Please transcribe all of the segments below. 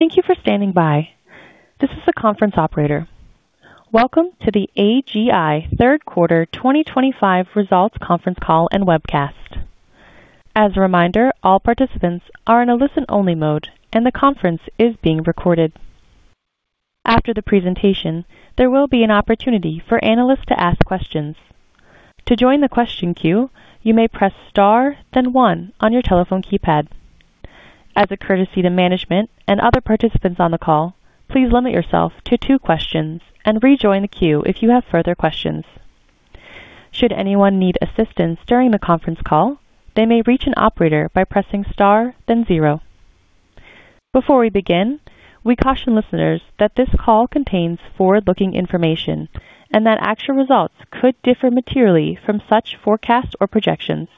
Thank you for standing by. This is the conference operator. Welcome to the AGI third quarter 2025 results conference call and webcast. As a reminder, all participants are in a listen-only mode, and the conference is being recorded. After the presentation, there will be an opportunity for analysts to ask questions. To join the question queue, you may press star, then one on your telephone keypad. As a courtesy to management and other participants on the call, please limit yourself to two questions and rejoin the queue if you have further questions. Should anyone need assistance during the conference call, they may reach an operator by pressing star, then zero. Before we begin, we caution listeners that this call contains forward-looking information and that actual results could differ materially from such forecasts or projections.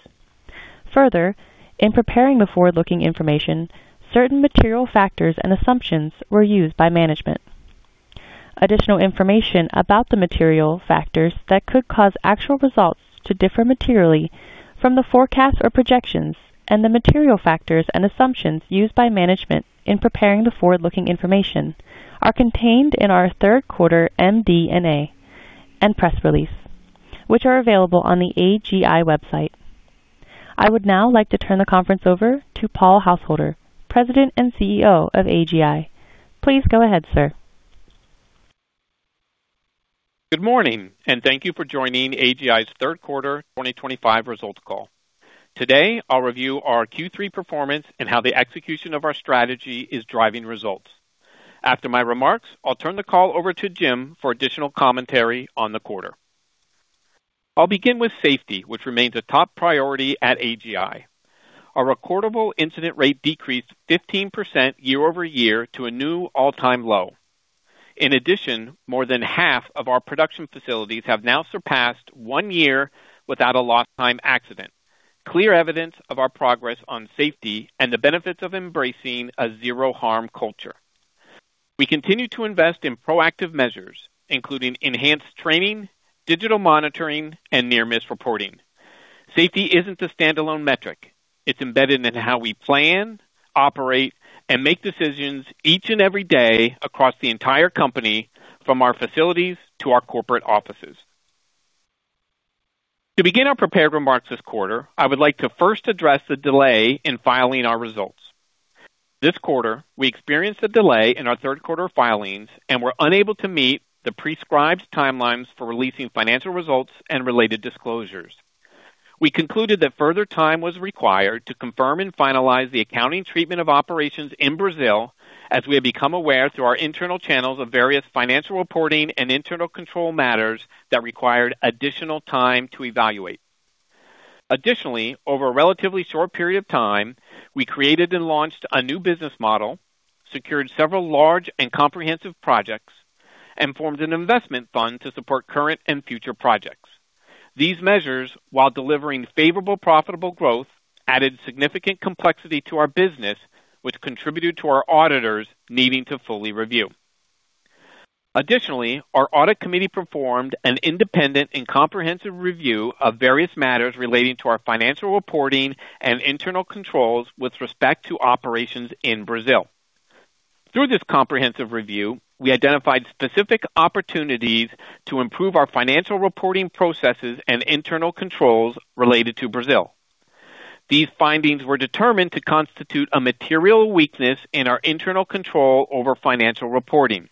Further, in preparing the forward-looking information, certain material factors and assumptions were used by management. Additional information about the material factors that could cause actual results to differ materially from the forecasts or projections and the material factors and assumptions used by management in preparing the forward-looking information are contained in our third quarter MD&A and press release, which are available on the AGI website. I would now like to turn the conference over to Paul Householder, President and CEO of AGI. Please go ahead, sir. Good morning, and thank you for joining AGI's third quarter 2025 results call. Today, I'll review our Q3 performance and how the execution of our strategy is driving results. After my remarks, I'll turn the call over to Jim for additional commentary on the quarter. I'll begin with safety, which remains a top priority at AGI. Our recordable incident rate decreased 15% year over year to a new all-time low. In addition, more than half of our production facilities have now surpassed one year without a lost-time accident, clear evidence of our progress on safety and the benefits of embracing a zero-harm culture. We continue to invest in proactive measures, including enhanced training, digital monitoring, and near-miss reporting. Safety isn't a standalone metric; it's embedded in how we plan, operate, and make decisions each and every day across the entire company, from our facilities to our corporate offices. To begin our prepared remarks this quarter, I would like to first address the delay in filing our results. This quarter, we experienced a delay in our third quarter filings and were unable to meet the prescribed timelines for releasing financial results and related disclosures. We concluded that further time was required to confirm and finalize the accounting treatment of operations in Brazil, as we had become aware through our internal channels of various financial reporting and internal control matters that required additional time to evaluate. Additionally, over a relatively short period of time, we created and launched a new business model, secured several large and comprehensive projects, and formed an investment fund to support current and future projects. These measures, while delivering favorable profitable growth, added significant complexity to our business, which contributed to our auditors needing to fully review. Additionally, our audit committee performed an independent and comprehensive review of various matters relating to our financial reporting and internal controls with respect to operations in Brazil. Through this comprehensive review, we identified specific opportunities to improve our financial reporting processes and internal controls related to Brazil. These findings were determined to constitute a material weakness in our Internal Control over Financial Reporting.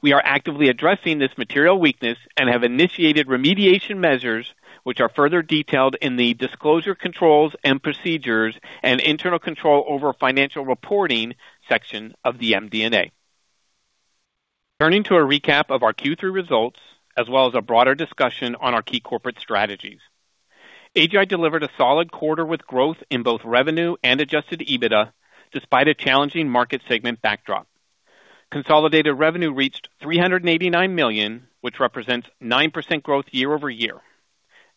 We are actively addressing this material weakness and have initiated remediation measures, which are further detailed in the Disclosure Controls and Procedures and Internal Control over Financial Reporting section of the MD&A. Turning to a recap of our Q3 results, as well as a broader discussion on our key corporate strategies, AGI delivered a solid quarter with growth in both revenue and adjusted EBITDA, despite a challenging market segment backdrop. Consolidated revenue reached 389 million, which represents 9% growth year-over-year.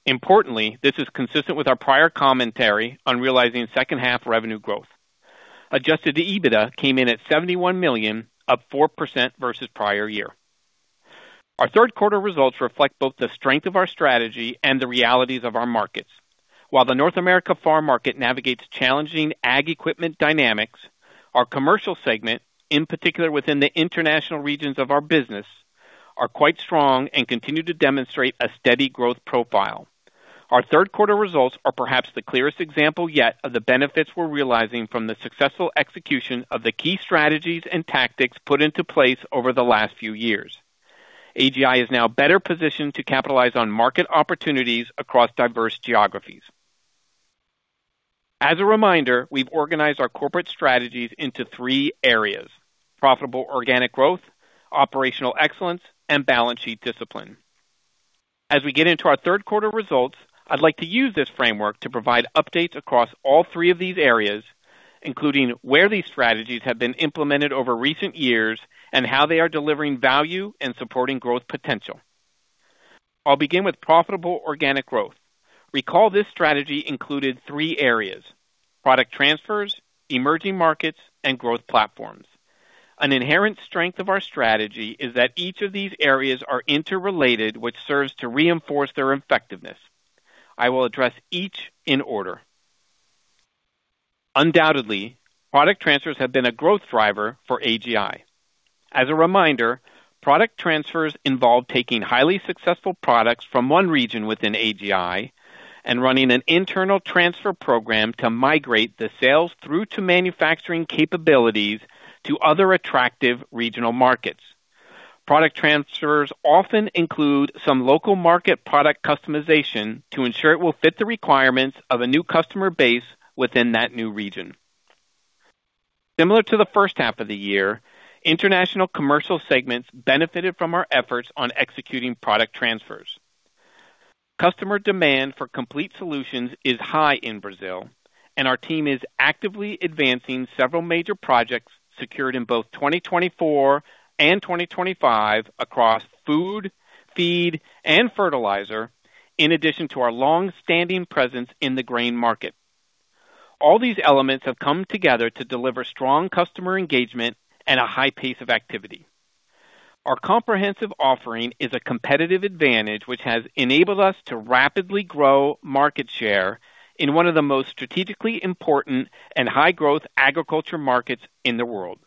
Importantly, this is consistent with our prior commentary on realizing second-half revenue growth. Adjusted EBITDA came in at 71 million, up 4% versus prior year. Our third quarter results reflect both the strength of our strategy and the realities of our markets. While the North America farm market navigates challenging ag equipment dynamics, our commercial segment, in particular within the international regions of our business, is quite strong and continues to demonstrate a steady growth profile. Our third quarter results are perhaps the clearest example yet of the benefits we're realizing from the successful execution of the key strategies and tactics put into place over the last few years. AGI is now better positioned to capitalize on market opportunities across diverse geographies. As a reminder, we've organized our corporate strategies into three areas: profitable organic growth, operational excellence, and balance sheet discipline. As we get into our third quarter results, I'd like to use this framework to provide updates across all three of these areas, including where these strategies have been implemented over recent years and how they are delivering value and supporting growth potential. I'll begin with profitable organic growth. Recall this strategy included three areas: product transfers, emerging markets, and growth platforms. An inherent strength of our strategy is that each of these areas is interrelated, which serves to reinforce their effectiveness. I will address each in order. Undoubtedly, product transfers have been a growth driver for AGI. As a reminder, product transfers involve taking highly successful products from one region within AGI and running an internal transfer program to migrate the sales through-to-manufacturing capabilities to other attractive regional markets. Product transfers often include some local market product customization to ensure it will fit the requirements of a new customer base within that new region. Similar to the first half of the year, international commercial segments benefited from our efforts on executing product transfers. Customer demand for complete solutions is high in Brazil, and our team is actively advancing several major projects secured in both 2024 and 2025 across food, feed, and fertilizer, in addition to our long-standing presence in the grain market. All these elements have come together to deliver strong customer engagement and a high pace of activity. Our comprehensive offering is a competitive advantage, which has enabled us to rapidly grow market share in one of the most strategically important and high-growth agriculture markets in the world.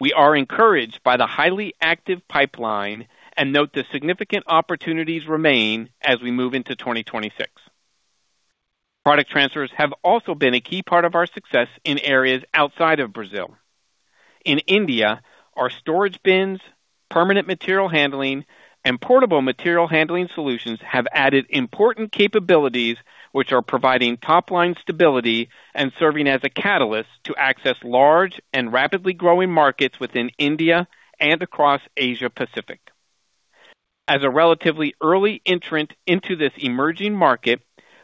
We are encouraged by the highly active pipeline and note the significant opportunities remain as we move into 2026. Product transfers have also been a key part of our success in areas outside of Brazil. In India, our storage bins, permanent material handling, and portable material handling solutions have added important capabilities, which are providing top-line stability and serving as a catalyst to access large and rapidly growing markets within India and across Asia-Pacific. As a relatively early entrant into this emerging market,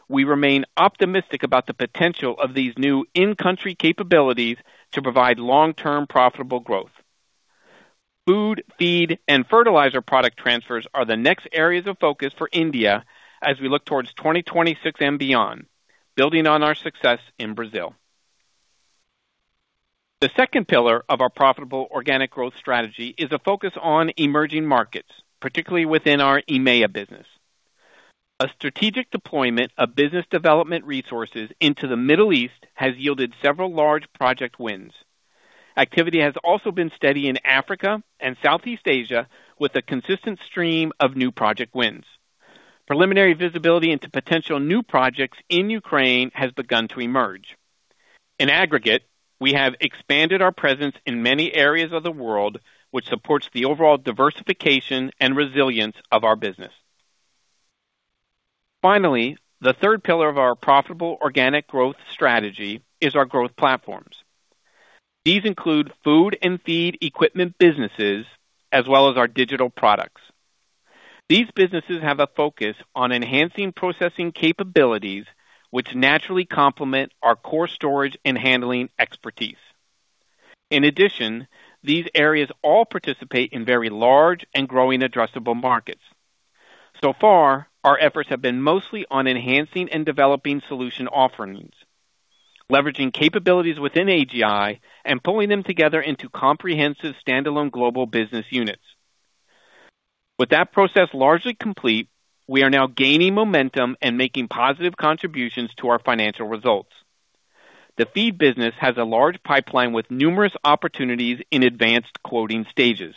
we remain optimistic about the potential of these new in-country capabilities to provide long-term profitable growth. Food, feed, and fertilizer product transfers are the next areas of focus for India as we look towards 2026 and beyond, building on our success in Brazil. The second pillar of our profitable organic growth strategy is a focus on emerging markets, particularly within our EMEA business. A strategic deployment of business development resources into the Middle East has yielded several large project wins. Activity has also been steady in Africa and Southeast Asia, with a consistent stream of new project wins. Preliminary visibility into potential new projects in Ukraine has begun to emerge. In aggregate, we have expanded our presence in many areas of the world, which supports the overall diversification and resilience of our business. Finally, the third pillar of our profitable organic growth strategy is our growth platforms. These include food and feed equipment businesses, as well as our digital products. These businesses have a focus on enhancing processing capabilities, which naturally complement our core storage and handling expertise. In addition, these areas all participate in very large and growing addressable markets. So far, our efforts have been mostly on enhancing and developing solution offerings, leveraging capabilities within AGI and pulling them together into comprehensive standalone global business units. With that process largely complete, we are now gaining momentum and making positive contributions to our financial results. The feed business has a large pipeline with numerous opportunities in advanced quoting stages.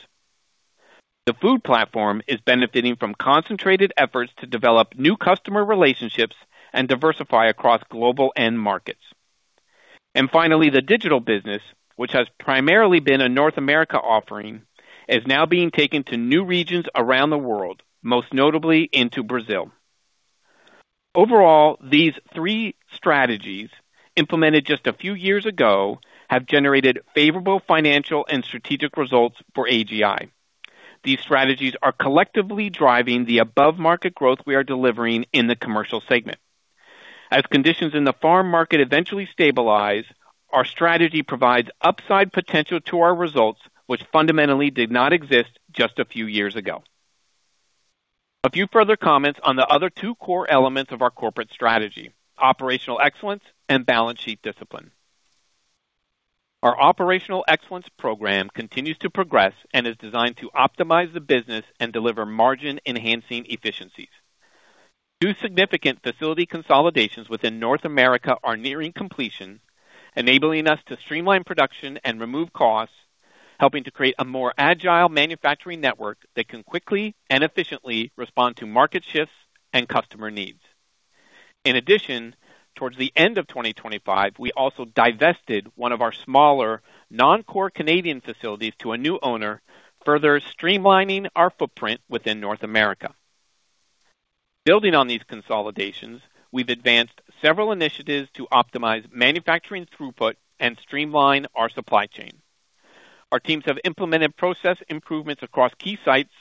The food platform is benefiting from concentrated efforts to develop new customer relationships and diversify across global end markets. And finally, the digital business, which has primarily been a North America offering, is now being taken to new regions around the world, most notably into Brazil. Overall, these three strategies, implemented just a few years ago, have generated favorable financial and strategic results for AGI. These strategies are collectively driving the above-market growth we are delivering in the commercial segment. As conditions in the farm market eventually stabilize, our strategy provides upside potential to our results, which fundamentally did not exist just a few years ago. A few further comments on the other two core elements of our corporate strategy: operational excellence and balance sheet discipline. Our operational excellence program continues to progress and is designed to optimize the business and deliver margin-enhancing efficiencies. Two significant facility consolidations within North America are nearing completion, enabling us to streamline production and remove costs, helping to create a more agile manufacturing network that can quickly and efficiently respond to market shifts and customer needs. In addition, towards the end of 2025, we also divested one of our smaller non-core Canadian facilities to a new owner, further streamlining our footprint within North America. Building on these consolidations, we've advanced several initiatives to optimize manufacturing throughput and streamline our supply chain. Our teams have implemented process improvements across key sites,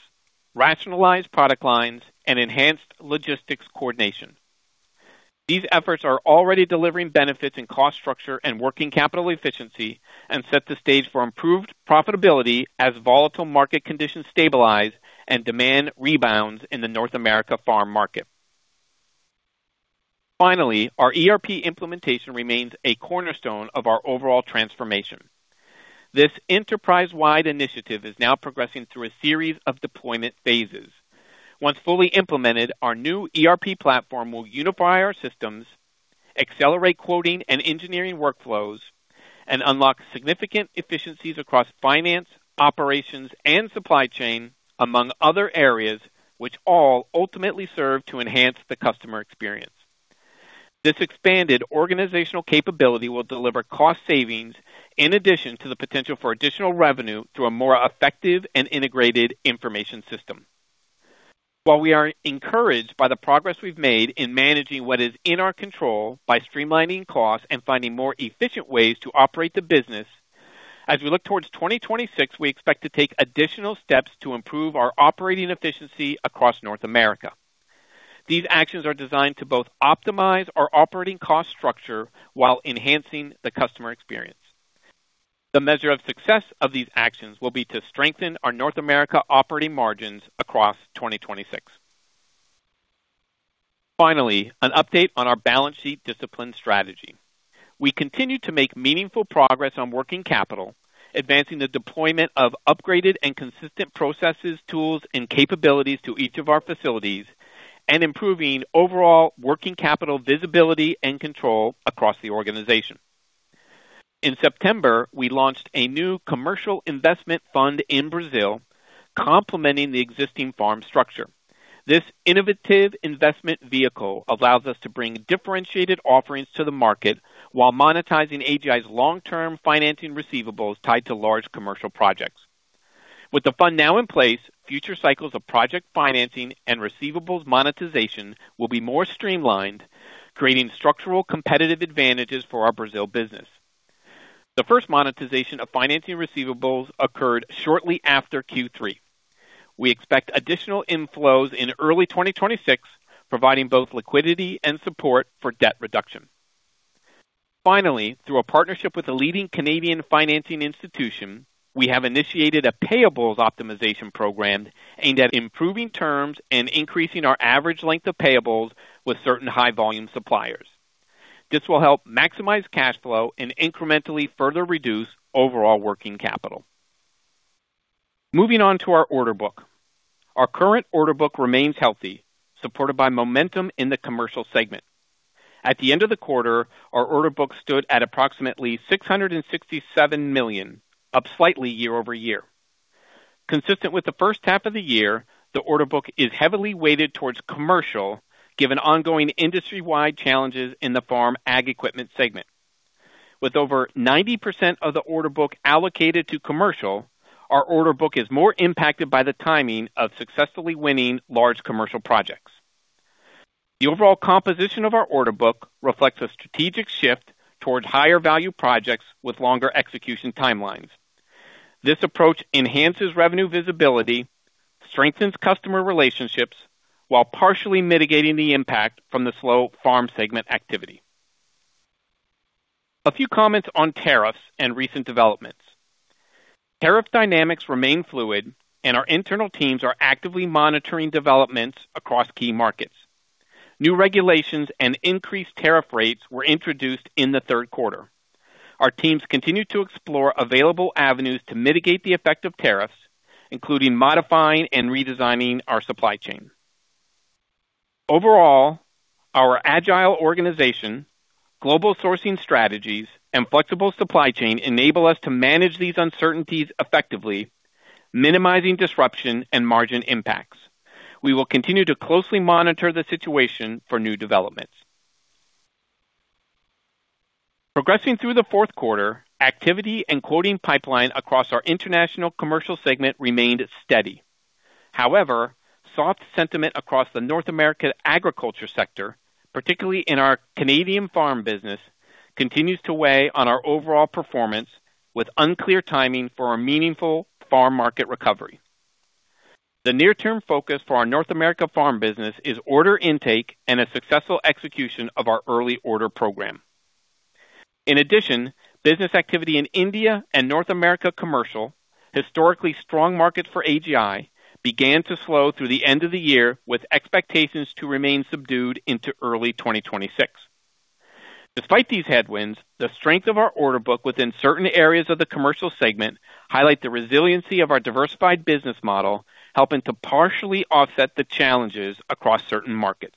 rationalized product lines, and enhanced logistics coordination. These efforts are already delivering benefits in cost structure and working capital efficiency and set the stage for improved profitability as volatile market conditions stabilize and demand rebounds in the North America farm market. Finally, our ERP implementation remains a cornerstone of our overall transformation. This enterprise-wide initiative is now progressing through a series of deployment phases. Once fully implemented, our new ERP platform will unify our systems, accelerate quoting and engineering workflows, and unlock significant efficiencies across finance, operations, and supply chain, among other areas, which all ultimately serve to enhance the customer experience. This expanded organizational capability will deliver cost savings in addition to the potential for additional revenue through a more effective and integrated information system. While we are encouraged by the progress we've made in managing what is in our control by streamlining costs and finding more efficient ways to operate the business, as we look toward 2026, we expect to take additional steps to improve our operating efficiency across North America. These actions are designed to both optimize our operating cost structure while enhancing the customer experience. The measure of success of these actions will be to strengthen our North America operating margins across 2026. Finally, an update on our balance sheet discipline strategy. We continue to make meaningful progress on working capital, advancing the deployment of upgraded and consistent processes, tools, and capabilities to each of our facilities, and improving overall working capital visibility and control across the organization. In September, we launched a new commercial investment fund in Brazil, complementing the existing farm structure. This innovative investment vehicle allows us to bring differentiated offerings to the market while monetizing AGI's long-term financing receivables tied to large commercial projects. With the fund now in place, future cycles of project financing and receivables monetization will be more streamlined, creating structural competitive advantages for our Brazil business. The first monetization of financing receivables occurred shortly after Q3. We expect additional inflows in early 2026, providing both liquidity and support for debt reduction. Finally, through a partnership with a leading Canadian financing institution, we have initiated a payables optimization program aimed at improving terms and increasing our average length of payables with certain high-volume suppliers. This will help maximize cash flow and incrementally further reduce overall working capital. Moving on to our order book. Our current order book remains healthy, supported by momentum in the commercial segment. At the end of the quarter, our order book stood at approximately 667 million, up slightly year-over-year. Consistent with the first half of the year, the order book is heavily weighted toward commercial, given ongoing industry-wide challenges in the farm ag equipment segment. With over 90% of the order book allocated to commercial, our order book is more impacted by the timing of successfully winning large commercial projects. The overall composition of our order book reflects a strategic shift toward higher-value projects with longer execution timelines. This approach enhances revenue visibility, strengthens customer relationships, while partially mitigating the impact from the slow farm segment activity. A few comments on tariffs and recent developments. Tariff dynamics remain fluid, and our internal teams are actively monitoring developments across key markets. New regulations and increased tariff rates were introduced in the third quarter. Our teams continue to explore available avenues to mitigate the effect of tariffs, including modifying and redesigning our supply chain. Overall, our agile organization, global sourcing strategies, and flexible supply chain enable us to manage these uncertainties effectively, minimizing disruption and margin impacts. We will continue to closely monitor the situation for new developments. Progressing through the fourth quarter, activity and quoting pipeline across our international commercial segment remained steady. However, soft sentiment across the North America agriculture sector, particularly in our Canadian farm business, continues to weigh on our overall performance, with unclear timing for a meaningful farm market recovery. The near-term focus for our North America farm business is order intake and a successful execution of our Early Order Program. In addition, business activity in India and North America commercial, historically strong markets for AGI, began to slow through the end of the year, with expectations to remain subdued into early 2026. Despite these headwinds, the strength of our order book within certain areas of the commercial segment highlights the resiliency of our diversified business model, helping to partially offset the challenges across certain markets.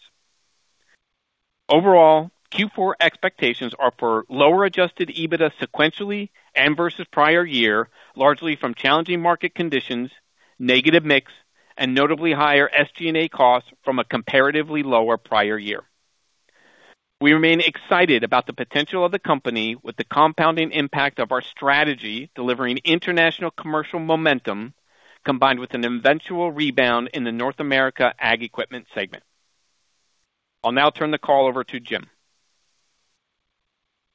Overall, Q4 expectations are for lower adjusted EBITDA sequentially and versus prior year, largely from challenging market conditions, negative mix, and notably higher SG&A costs from a comparatively lower prior year. We remain excited about the potential of the company with the compounding impact of our strategy delivering international commercial momentum, combined with an eventual rebound in the North America ag equipment segment. I'll now turn the call over to Jim.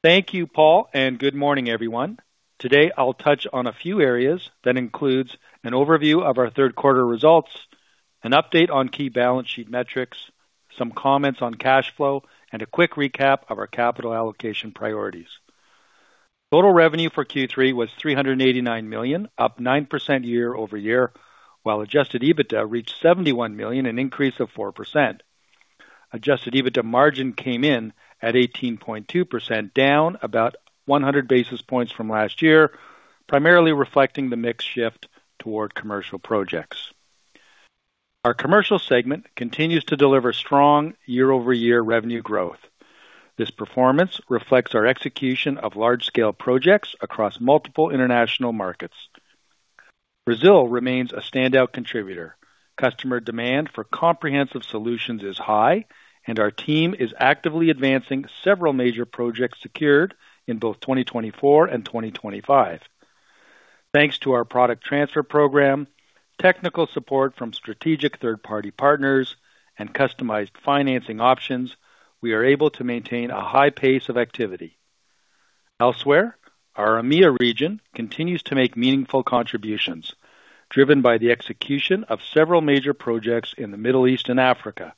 Thank you, Paul, and good morning, everyone. Today, I'll touch on a few areas that include an overview of our third-quarter results, an update on key balance sheet metrics, some comments on cash flow, and a quick recap of our capital allocation priorities. Total revenue for Q3 was 389 million, up 9% year-over-year, while adjusted EBITDA reached 71 million, an increase of 4%. Adjusted EBITDA margin came in at 18.2%, down about 100 basis points from last year, primarily reflecting the mixed shift toward commercial projects. Our commercial segment continues to deliver strong year-over-year revenue growth. This performance reflects our execution of large-scale projects across multiple international markets. Brazil remains a standout contributor. Customer demand for comprehensive solutions is high, and our team is actively advancing several major projects secured in both 2024 and 2025. Thanks to our product transfer program, technical support from strategic third-party partners, and customized financing options, we are able to maintain a high pace of activity. Elsewhere, our EMEA region continues to make meaningful contributions, driven by the execution of several major projects in the Middle East and Africa.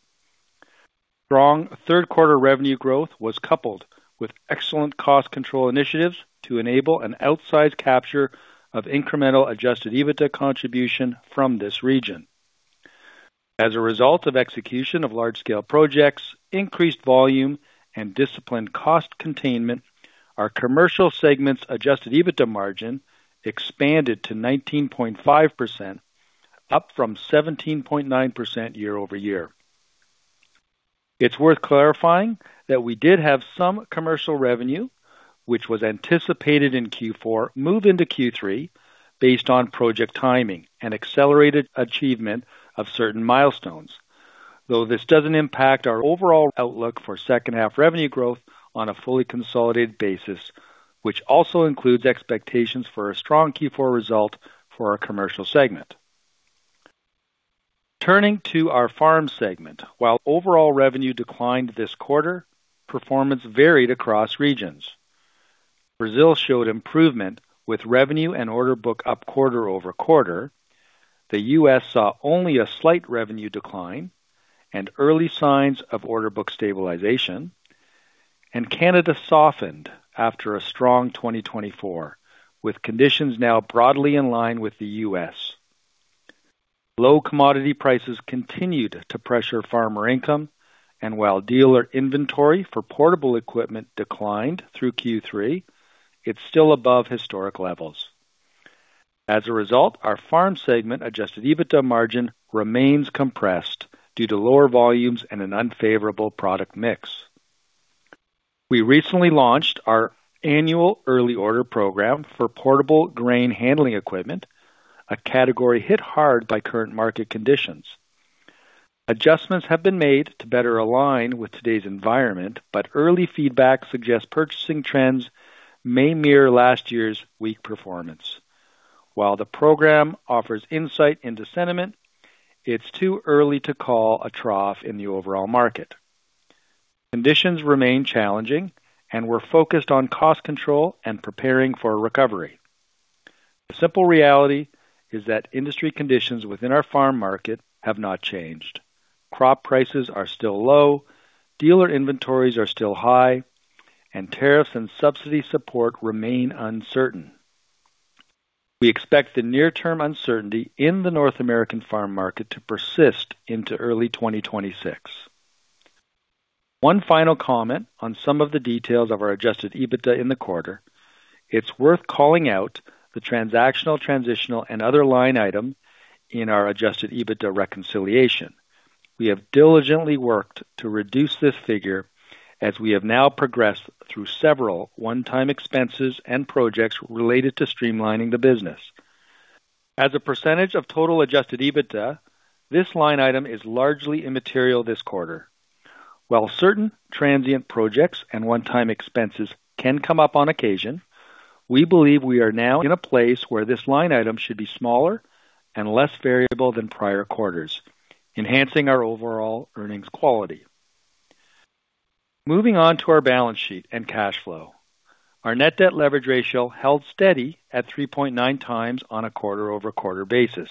Strong third-quarter revenue growth was coupled with excellent cost control initiatives to enable an outsized capture of incremental adjusted EBITDA contribution from this region. As a result of execution of large-scale projects, increased volume, and disciplined cost containment, our commercial segment's adjusted EBITDA margin expanded to 19.5%, up from 17.9% year-over-year. It's worth clarifying that we did have some commercial revenue, which was anticipated in Q4, move into Q3 based on project timing and accelerated achievement of certain milestones, though this doesn't impact our overall outlook for second-half revenue growth on a fully consolidated basis, which also includes expectations for a strong Q4 result for our commercial segment. Turning to our farm segment, while overall revenue declined this quarter, performance varied across regions. Brazil showed improvement with revenue and order book up quarter over quarter. The U.S. saw only a slight revenue decline and early signs of order book stabilization, and Canada softened after a strong 2024, with conditions now broadly in line with the U.S. Low commodity prices continued to pressure farmer income, and while dealer inventory for portable equipment declined through Q3, it's still above historic levels. As a result, our farm segment adjusted EBITDA margin remains compressed due to lower volumes and an unfavorable product mix. We recently launched our annual Early Order Program for portable grain handling equipment, a category hit hard by current market conditions. Adjustments have been made to better align with today's environment, but early feedback suggests purchasing trends may mirror last year's weak performance. While the program offers insight into sentiment, it's too early to call a trough in the overall market. Conditions remain challenging, and we're focused on cost control and preparing for recovery. The simple reality is that industry conditions within our farm market have not changed. Crop prices are still low, dealer inventories are still high, and tariffs and subsidy support remain uncertain. We expect the near-term uncertainty in the North American farm market to persist into early 2026. One final comment on some of the details of our adjusted EBITDA in the quarter. It's worth calling out the transactional, transitional, and other line item in our adjusted EBITDA reconciliation. We have diligently worked to reduce this figure as we have now progressed through several one-time expenses and projects related to streamlining the business. As a percentage of total adjusted EBITDA, this line item is largely immaterial this quarter. While certain transient projects and one-time expenses can come up on occasion, we believe we are now in a place where this line item should be smaller and less variable than prior quarters, enhancing our overall earnings quality. Moving on to our balance sheet and cash flow. Our net debt leverage ratio held steady at 3.9x on a quarter-over-quarter basis.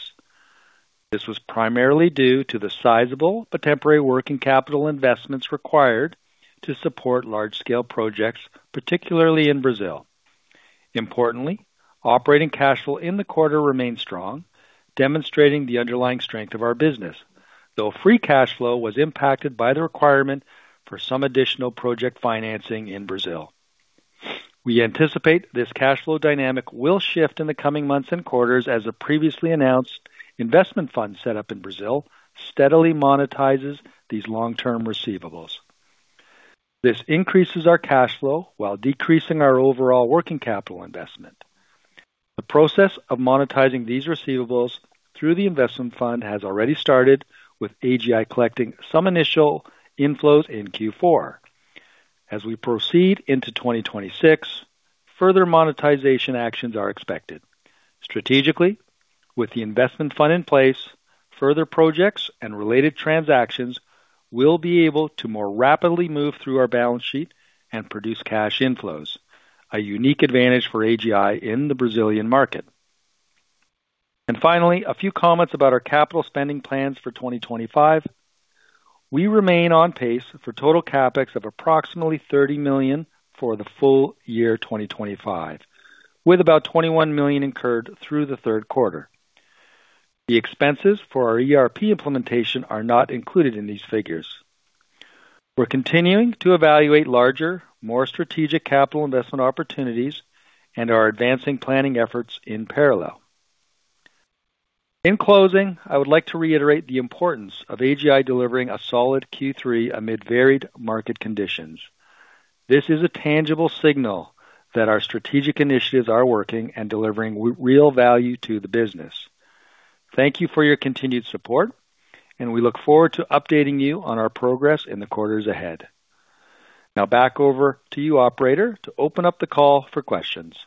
This was primarily due to the sizable, but temporary working capital investments required to support large-scale projects, particularly in Brazil. Importantly, operating cash flow in the quarter remained strong, demonstrating the underlying strength of our business, though free cash flow was impacted by the requirement for some additional project financing in Brazil. We anticipate this cash flow dynamic will shift in the coming months and quarters as the previously announced investment fund set up in Brazil steadily monetizes these long-term receivables. This increases our cash flow while decreasing our overall working capital investment. The process of monetizing these receivables through the investment fund has already started, with AGI collecting some initial inflows in Q4. As we proceed into 2026, further monetization actions are expected. Strategically, with the investment fund in place, further projects and related transactions will be able to more rapidly move through our balance sheet and produce cash inflows, a unique advantage for AGI in the Brazilian market. Finally, a few comments about our capital spending plans for 2025. We remain on pace for total CapEx of approximately 30 million for the full year 2025, with about 21 million incurred through the third quarter. The expenses for our ERP implementation are not included in these figures. We're continuing to evaluate larger, more strategic capital investment opportunities and are advancing planning efforts in parallel. In closing, I would like to reiterate the importance of AGI delivering a solid Q3 amid varied market conditions. This is a tangible signal that our strategic initiatives are working and delivering real value to the business. Thank you for your continued support, and we look forward to updating you on our progress in the quarters ahead. Now, back over to you, Operator, to open up the call for questions.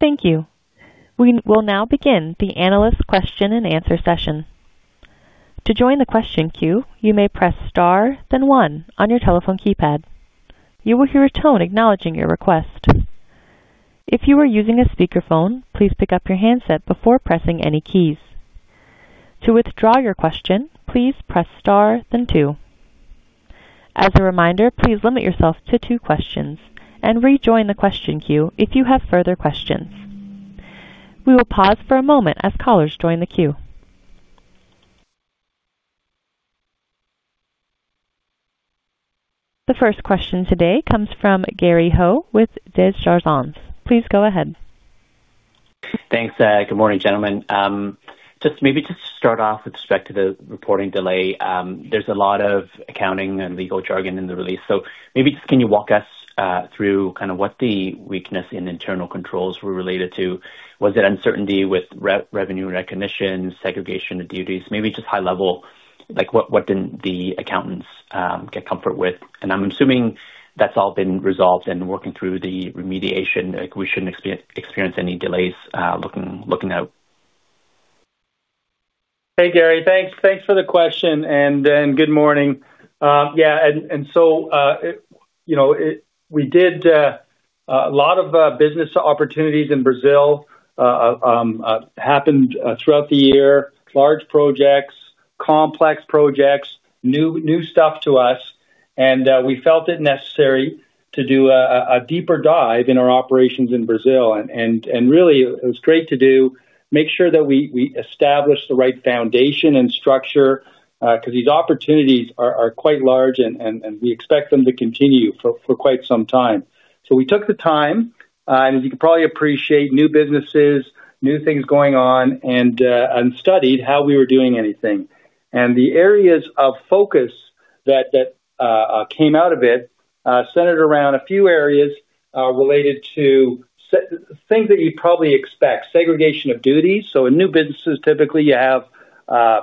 Thank you. We will now begin the analyst question and answer session. To join the question queue, you may press star, then one on your telephone keypad. You will hear a tone acknowledging your request. If you are using a speakerphone, please pick up your handset before pressing any keys. To withdraw your question, please press star, then two. As a reminder, please limit yourself to two questions and rejoin the question queue if you have further questions. We will pause for a moment as callers join the queue. The first question today comes from Gary Ho with Desjardins. Please go ahead. Thanks. Good morning, gentlemen. Just maybe to start off with respect to the reporting delay, there's a lot of accounting and legal jargon in the release. So maybe just can you walk us through kind of what the weaknesses in internal controls were related to? Was it uncertainty with revenue recognition, segregation of duties? Maybe just high level, what didn't the accountants get comfort with? And I'm assuming that's all been resolved and working through the remediation. We shouldn't experience any delays looking out. Hey, Gary. Thanks for the question and good morning. Yeah, and so we did a lot of business opportunities in Brazil happened throughout the year, large projects, complex projects, new stuff to us. And we felt it necessary to do a deeper dive in our operations in Brazil. Really, it was great to make sure that we established the right foundation and structure because these opportunities are quite large, and we expect them to continue for quite some time. We took the time, and as you can probably appreciate, new businesses, new things going on, and studied how we were doing anything. The areas of focus that came out of it centered around a few areas related to things that you'd probably expect, segregation of duties. In new businesses, typically, you have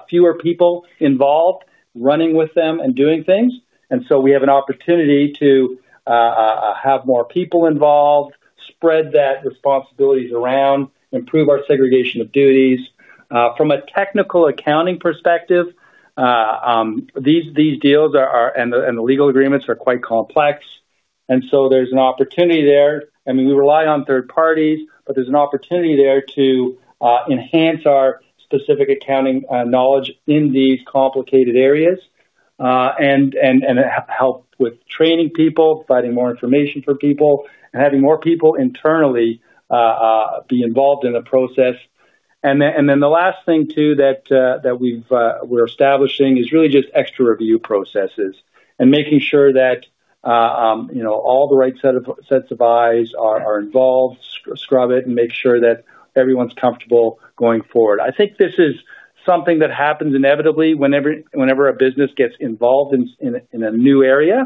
fewer people involved running with them and doing things. We have an opportunity to have more people involved, spread that responsibilities around, improve our segregation of duties. From a technical accounting perspective, these deals and the legal agreements are quite complex. There's an opportunity there. I mean, we rely on third parties, but there's an opportunity there to enhance our specific accounting knowledge in these complicated areas and help with training people, providing more information for people, and having more people internally be involved in the process. And then the last thing too that we're establishing is really just extra review processes and making sure that all the right sets of eyes are involved, scrub it, and make sure that everyone's comfortable going forward. I think this is something that happens inevitably whenever a business gets involved in a new area.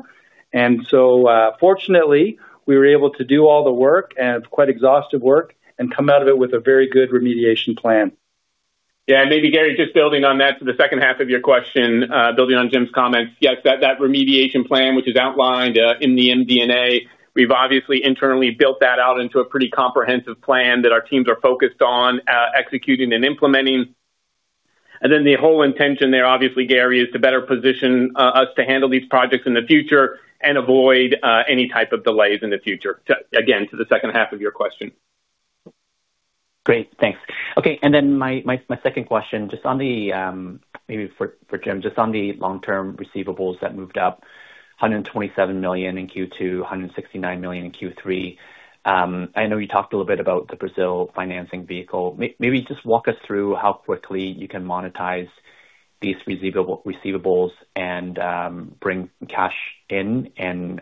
And so fortunately, we were able to do all the work and quite exhaustive work and come out of it with a very good remediation plan. Yeah. And maybe, Gary, just building on that to the second half of your question, building on Jim's comments, yes, that remediation plan, which is outlined in the MD&A, we've obviously internally built that out into a pretty comprehensive plan that our teams are focused on executing and implementing. And then the whole intention there, obviously, Gary, is to better position us to handle these projects in the future and avoid any type of delays in the future, again, to the second half of your question. Great. Thanks. Okay. And then my second question, just on the maybe for Jim, just on the long-term receivables that moved up, 127 million in Q2, 169 million in Q3. I know you talked a little bit about the Brazil financing vehicle. Maybe just walk us through how quickly you can monetize these receivables and bring cash in and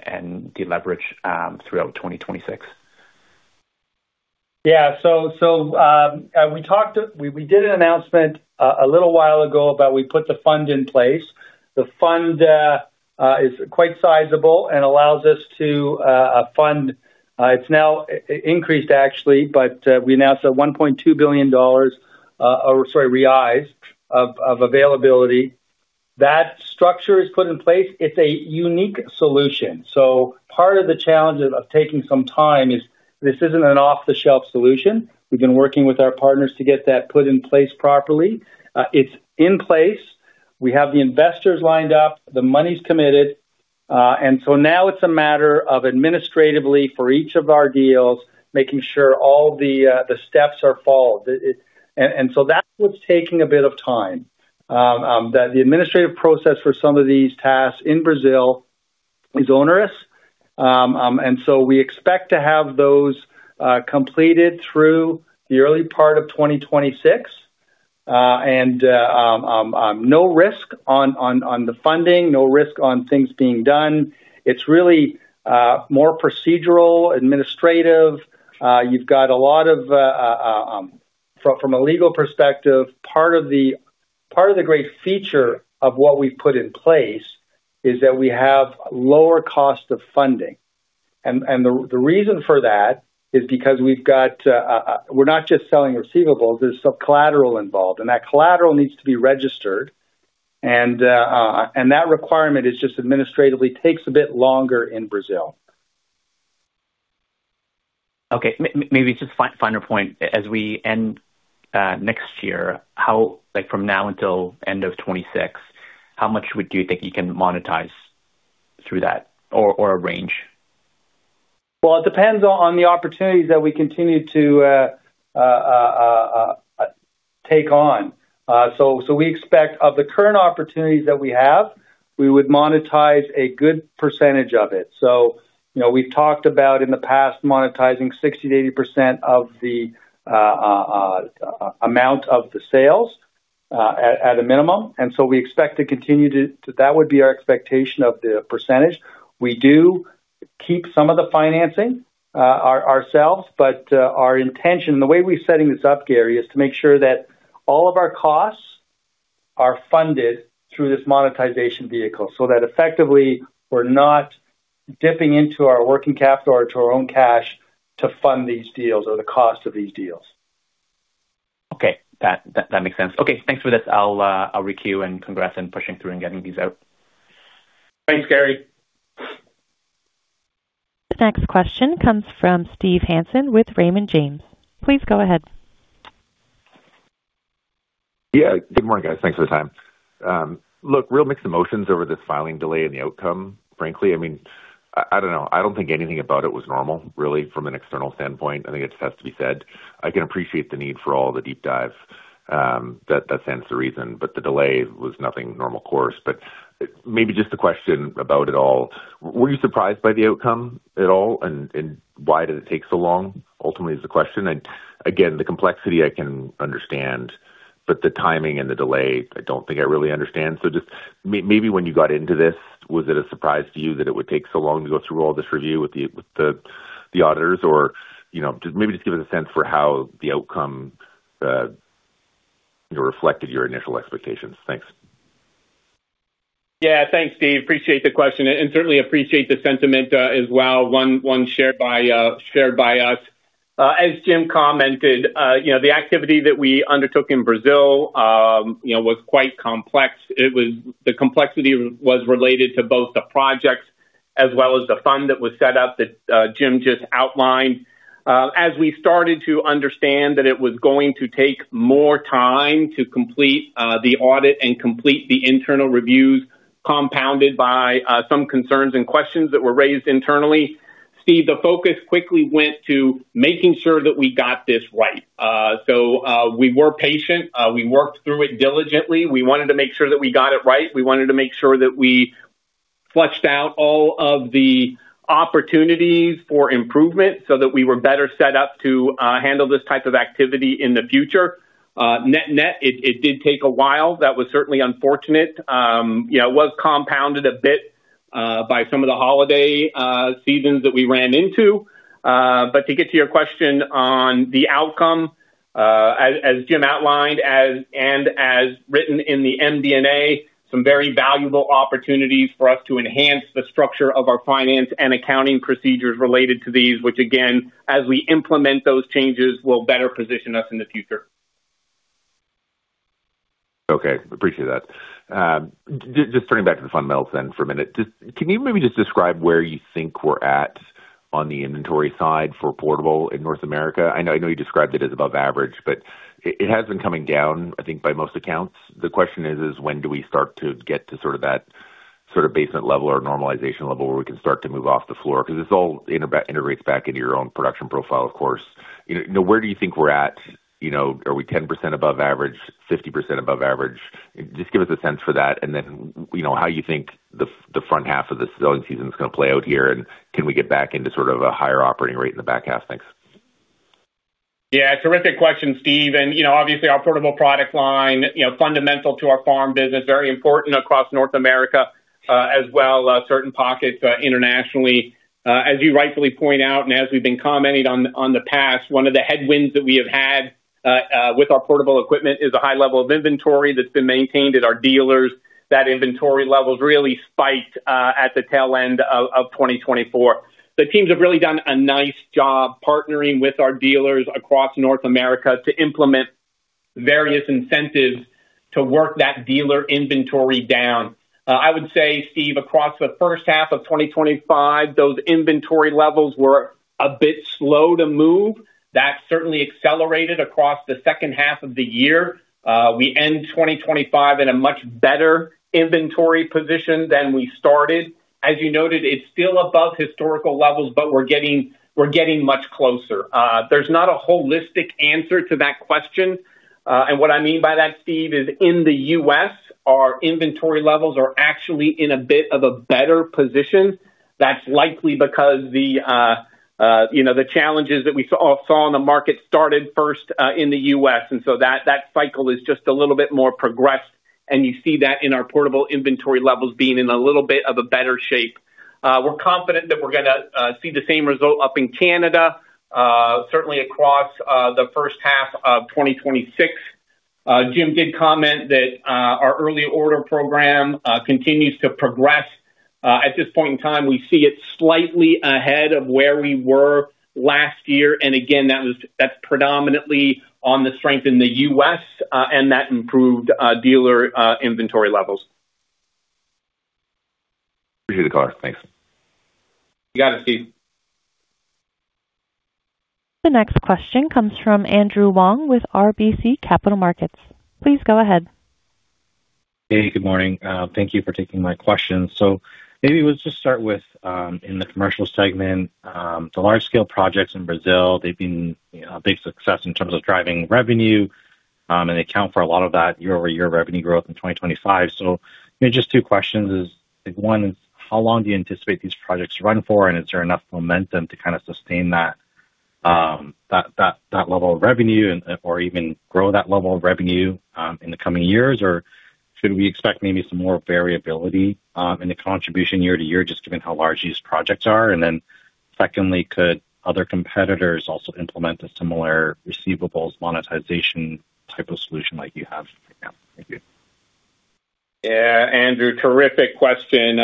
deleverage throughout 2026. Yeah. So we did an announcement a little while ago about we put the fund in place. The fund is quite sizable and allows us to fund. It's now increased, actually, but we announced a 1.2 billion dollars, or sorry, size of availability. That structure is put in place. It's a unique solution. So part of the challenge of taking some time is this isn't an off-the-shelf solution. We've been working with our partners to get that put in place properly. It's in place. We have the investors lined up. The money's committed. And so now it's a matter of administratively for each of our deals, making sure all the steps are followed. And so that's what's taking a bit of time. The administrative process for some of these tasks in Brazil is onerous. And so we expect to have those completed through the early part of 2026. No risk on the funding, no risk on things being done. It's really more procedural, administrative. You've got a lot of from a legal perspective. Part of the great feature of what we've put in place is that we have lower cost of funding. The reason for that is because we've got we're not just selling receivables. There's some collateral involved. That collateral needs to be registered. That requirement is just administratively takes a bit longer in Brazil. Okay. Maybe just a final point. As we end next year, from now until end of 2026, how much do you think you can monetize through that or arrange? Well, it depends on the opportunities that we continue to take on. So we expect of the current opportunities that we have, we would monetize a good percentage of it. So we've talked about in the past monetizing 60%-80% of the amount of the sales at a minimum. And so we expect to continue to that. That would be our expectation of the percentage. We do keep some of the financing ourselves, but our intention and the way we're setting this up, Gary, is to make sure that all of our costs are funded through this monetization vehicle so that effectively we're not dipping into our working capital or to our own cash to fund these deals or the cost of these deals. Okay. That makes sense. Okay. Thanks for this. I'll requeue and congrats on pushing through and getting these out. Thanks, Gary. The next question comes from Steve Hansen with Raymond James. Please go ahead. Yeah. Good morning, guys. Thanks for the time. Look, real mixed emotions over this filing delay and the outcome, frankly. I mean, I don't know. I don't think anything about it was normal, really, from an external standpoint. I think it just has to be said. I can appreciate the need for all the deep dive. That stands to reason. But the delay was nothing normal course. But maybe just a question about it all. Were you surprised by the outcome at all? And why did it take so long? Ultimately, is the question. And again, the complexity I can understand, but the timing and the delay, I don't think I really understand. So just maybe when you got into this, was it a surprise to you that it would take so long to go through all this review with the auditors? Or maybe just give us a sense for how the outcome reflected your initial expectations. Thanks. Yeah. Thanks, Steve. Appreciate the question. Certainly appreciate the sentiment as well shared by us. As Jim commented, the activity that we undertook in Brazil was quite complex. The complexity was related to both the projects as well as the fund that was set up that Jim just outlined. As we started to understand that it was going to take more time to complete the audit and complete the internal reviews, compounded by some concerns and questions that were raised internally, Steve, the focus quickly went to making sure that we got this right. So we were patient. We worked through it diligently. We wanted to make sure that we got it right. We wanted to make sure that we flushed out all of the opportunities for improvement so that we were better set up to handle this type of activity in the future. Net-net, it did take a while. That was certainly unfortunate. It was compounded a bit by some of the holiday seasons that we ran into. But to get to your question on the outcome, as Jim outlined and as written in the MD&A, some very valuable opportunities for us to enhance the structure of our finance and accounting procedures related to these, which, again, as we implement those changes, will better position us in the future. Okay. Appreciate that. Just turning back to the fundamentals then for a minute. Can you maybe just describe where you think we're at on the inventory side for portable in North America? I know you described it as above average, but it has been coming down, I think, by most accounts. The question is, when do we start to get to sort of that sort of basement level or normalization level where we can start to move off the floor? Because this all integrates back into your own production profile, of course. Where do you think we're at? Are we 10% above average, 50% above average? Just give us a sense for that. And then how you think the front half of the selling season is going to play out here, and can we get back into sort of a higher operating rate in the back half? Thanks. Yeah. Terrific question, Steve. And obviously, our portable product line, fundamental to our farm business, very important across North America as well, certain pockets internationally. As you rightfully point out, and as we've been commenting on the past, one of the headwinds that we have had with our portable equipment is a high level of inventory that's been maintained at our dealers. That inventory level has really spiked at the tail end of 2024. The teams have really done a nice job partnering with our dealers across North America to implement various incentives to work that dealer inventory down. I would say, Steve, across the first half of 2025, those inventory levels were a bit slow to move. That certainly accelerated across the second half of the year. We end 2025 in a much better inventory position than we started. As you noted, it's still above historical levels, but we're getting much closer. There's not a holistic answer to that question, and what I mean by that, Steve, is in the U.S., our inventory levels are actually in a bit of a better position. That's likely because the challenges that we saw in the market started first in the U.S., and so that cycle is just a little bit more progressed. And you see that in our portable inventory levels being in a little bit of a better shape. We're confident that we're going to see the same result up in Canada, certainly across the first half of 2026. Jim did comment that our early order program continues to progress. At this point in time, we see it slightly ahead of where we were last year. And again, that's predominantly on the strength in the U.S., and that improved dealer inventory levels. Appreciate the call. Thanks. You got it, Steve. The next question comes from Andrew Wong with RBC Capital Markets. Please go ahead. Hey, good morning. Thank you for taking my question. So maybe we'll just start with, in the commercial segment, the large-scale projects in Brazil, they've been a big success in terms of driving revenue, and they account for a lot of that year-over-year revenue growth in 2025. So maybe just two questions. One is, how long do you anticipate these projects run for? And is there enough momentum to kind of sustain that level of revenue or even grow that level of revenue in the coming years? Or should we expect maybe some more variability in the contribution year to year, just given how large these projects are? And then secondly, could other competitors also implement a similar receivables monetization type of solution like you have right now? Thank you. Yeah. Andrew, terrific question.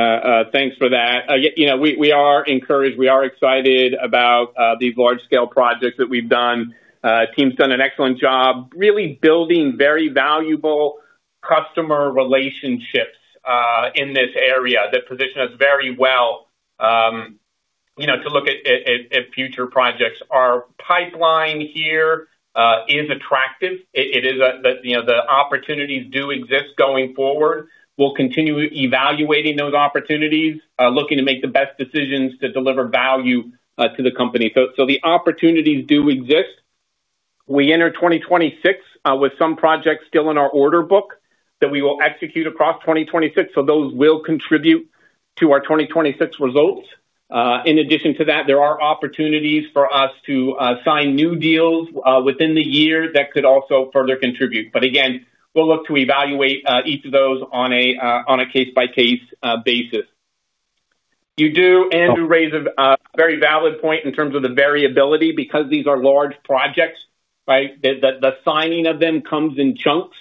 Thanks for that. We are encouraged. We are excited about these large-scale projects that we've done. The team's done an excellent job really building very valuable customer relationships in this area that position us very well to look at future projects. Our pipeline here is attractive. It is that the opportunities do exist going forward. We'll continue evaluating those opportunities, looking to make the best decisions to deliver value to the company. So the opportunities do exist. We enter 2026 with some projects still in our order book that we will execute across 2026. So those will contribute to our 2026 results. In addition to that, there are opportunities for us to sign new deals within the year that could also further contribute. But again, we'll look to evaluate each of those on a case-by-case basis. You do, Andrew, raise a very valid point in terms of the variability because these are large projects, right? The signing of them comes in chunks.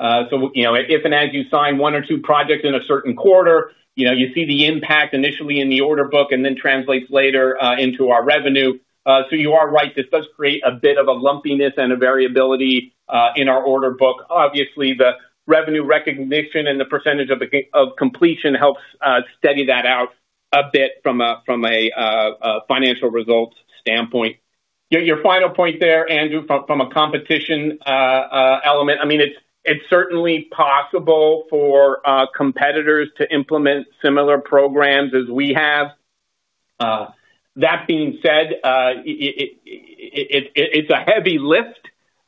So if and as you sign one or two projects in a certain quarter, you see the impact initially in the order book and then translates later into our revenue. So you are right. This does create a bit of a lumpiness and a variability in our order book. Obviously, the revenue recognition and the percentage of completion helps steady that out a bit from a financial results standpoint. Your final point there, Andrew, from a competition element, I mean, it's certainly possible for competitors to implement similar programs as we have. That being said, it's a heavy lift.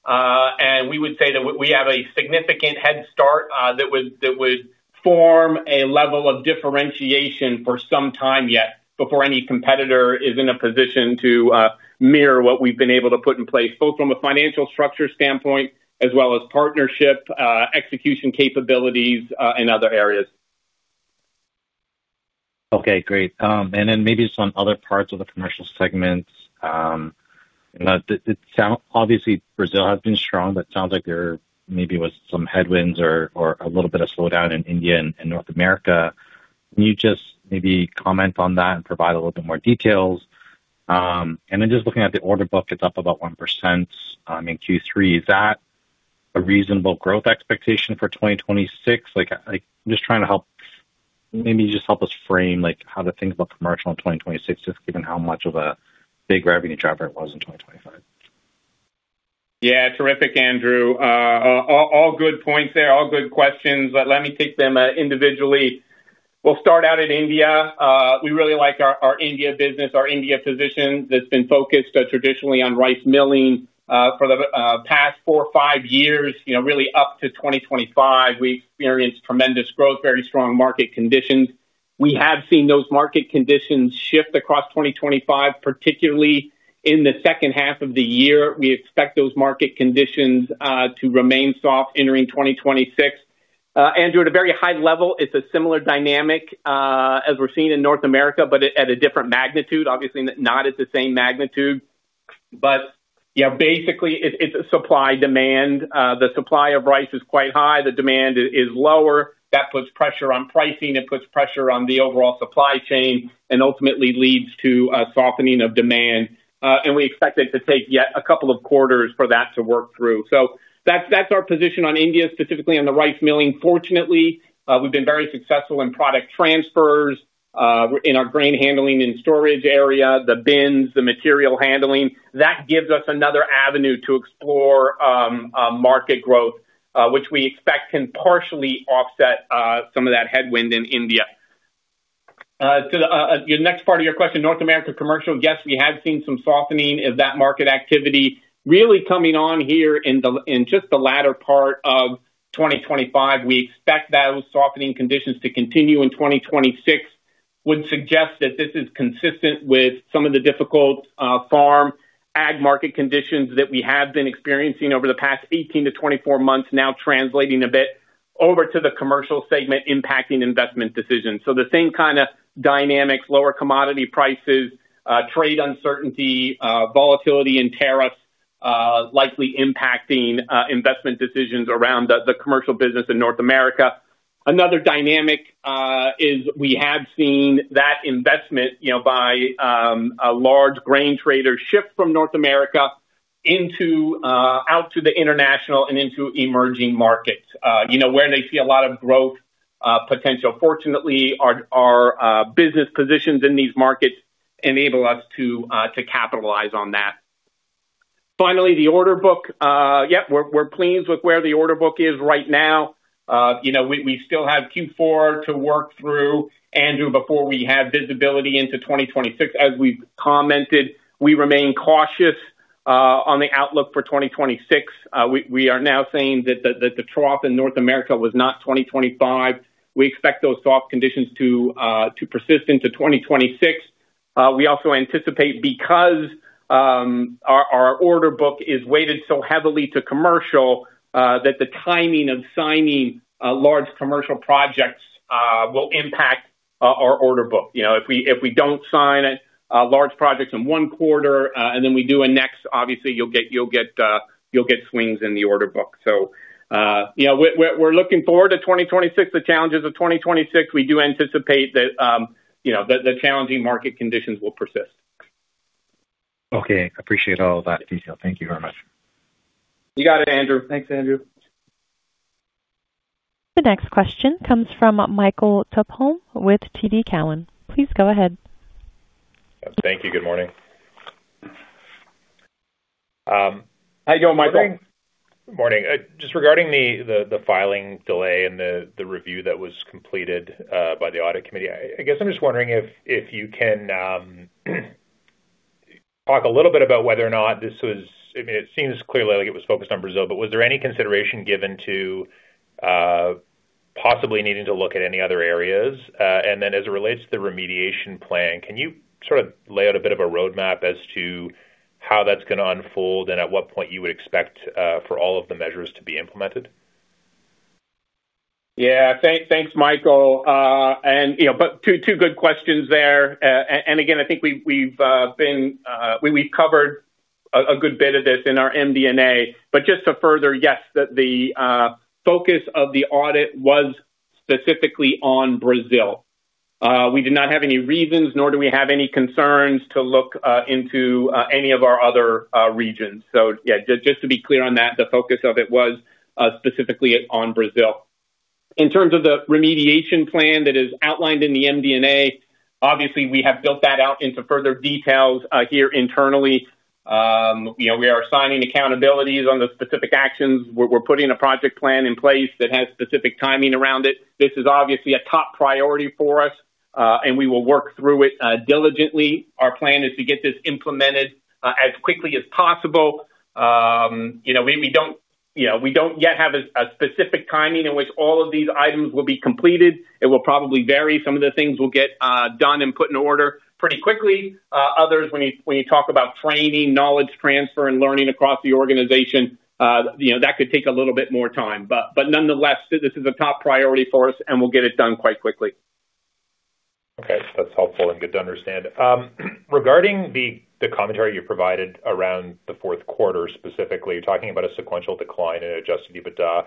And we would say that we have a significant head start that would form a level of differentiation for some time yet before any competitor is in a position to mirror what we've been able to put in place, both from a financial structure standpoint as well as partnership, execution capabilities, and other areas. Okay. Great. And then maybe just on other parts of the commercial segments, obviously, Brazil has been strong, but it sounds like there maybe was some headwinds or a little bit of slowdown in India and North America. Can you just maybe comment on that and provide a little bit more details? And then just looking at the order book, it's up about 1% in Q3. Is that a reasonable growth expectation for 2026? I'm just trying to help maybe just help us frame how to think about commercial in 2026, just given how much of a big revenue driver it was in 2025. Yeah. Terrific, Andrew. All good points there. All good questions. But let me take them individually. We'll start out at India. We really like our India business, our India position. That's been focused traditionally on rice milling for the past four or five years, really up to 2025. We experienced tremendous growth, very strong market conditions. We have seen those market conditions shift across 2025, particularly in the second half of the year. We expect those market conditions to remain soft entering 2026. Andrew, at a very high level, it's a similar dynamic as we're seeing in North America, but at a different magnitude, obviously not at the same magnitude. But yeah, basically, it's supply-demand. The supply of rice is quite high. The demand is lower. That puts pressure on pricing. It puts pressure on the overall supply chain and ultimately leads to a softening of demand. And we expect it to take yet a couple of quarters for that to work through. So that's our position on India, specifically on the rice milling. Fortunately, we've been very successful in product transfers in our grain handling and storage area, the bins, the material handling. That gives us another avenue to explore market growth, which we expect can partially offset some of that headwind in India. To the next part of your question, North America commercial, yes, we have seen some softening of that market activity really coming on here in just the latter part of 2025. We expect those softening conditions to continue in 2026. Would suggest that this is consistent with some of the difficult farm ag market conditions that we have been experiencing over the past 18-24 months, now translating a bit over to the commercial segment impacting investment decisions. So the same kind of dynamics, lower commodity prices, trade uncertainty, volatility, and tariffs likely impacting investment decisions around the commercial business in North America. Another dynamic is we have seen that investment by a large grain trader shift from North America out to the international and into emerging markets where they see a lot of growth potential. Fortunately, our business positions in these markets enable us to capitalize on that. Finally, the order book, yep, we're pleased with where the order book is right now. We still have Q4 to work through, Andrew, before we have visibility into 2026. As we've commented, we remain cautious on the outlook for 2026. We are now saying that the trough in North America was not 2025. We expect those soft conditions to persist into 2026. We also anticipate, because our order book is weighted so heavily to commercial, that the timing of signing large commercial projects will impact our order book. If we don't sign large projects in one quarter and then we do a next, obviously, you'll get swings in the order book. So we're looking forward to 2026, the challenges of 2026. We do anticipate that the challenging market conditions will persist. Okay. Appreciate all of that detail. Thank you very much. You got it, Andrew. Thanks, Andrew. The next question comes from Michael Tupholme with TD Cowen. Please go ahead. Thank you. Good morning. How are you doing, Michael? Good morning. Just regarding the filing delay and the review that was completed by the audit committee, I guess I'm just wondering if you can talk a little bit about whether or not this was - I mean, it seems clearly like it was focused on Brazil, but was there any consideration given to possibly needing to look at any other areas? Then as it relates to the remediation plan, can you sort of lay out a bit of a roadmap as to how that's going to unfold and at what point you would expect for all of the measures to be implemented? Yeah. Thanks, Michael. But two good questions there. And again, I think we've covered a good bit of this in our MD&A. But just to further, yes, the focus of the audit was specifically on Brazil. We did not have any reasons, nor do we have any concerns to look into any of our other regions. So yeah, just to be clear on that, the focus of it was specifically on Brazil. In terms of the remediation plan that is outlined in the MD&A, obviously, we have built that out into further details here internally. We are signing accountabilities on the specific actions. We're putting a project plan in place that has specific timing around it. This is obviously a top priority for us, and we will work through it diligently. Our plan is to get this implemented as quickly as possible. We don't yet have a specific timing in which all of these items will be completed. It will probably vary. Some of the things we'll get done and put in order pretty quickly. Others, when you talk about training, knowledge transfer, and learning across the organization, that could take a little bit more time. But nonetheless, this is a top priority for us, and we'll get it done quite quickly. Okay. That's helpful and good to understand. Regarding the commentary you provided around the fourth quarter specifically, you're talking about a sequential decline in adjusted EBITDA.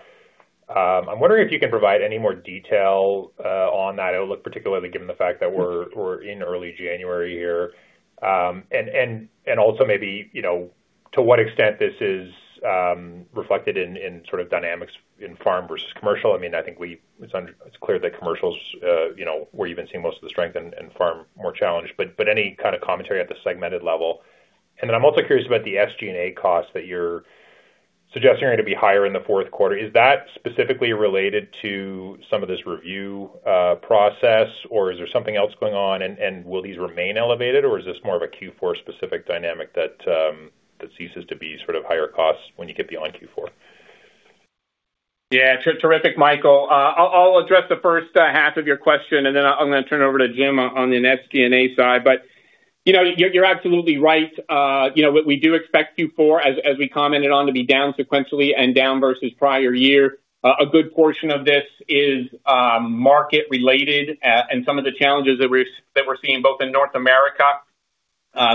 I'm wondering if you can provide any more detail on that. It'll look particularly given the fact that we're in early January here. And also maybe to what extent this is reflected in sort of dynamics in farm versus commercial. I mean, I think it's clear that commercials were even seeing most of the strength and farm more challenged. But any kind of commentary at the segmented level? And then I'm also curious about the SG&A costs that you're suggesting are going to be higher in the fourth quarter. Is that specifically related to some of this review process, or is there something else going on? And will these remain elevated, or is this more of a Q4-specific dynamic that ceases to be sort of higher costs when you get beyond Q4? Yeah. Terrific, Michael. I'll address the first half of your question, and then I'm going to turn it over to Jim on the SG&A side. But you're absolutely right. We do expect Q4, as we commented on, to be down sequentially and down versus prior year. A good portion of this is market-related and some of the challenges that we're seeing both in North America,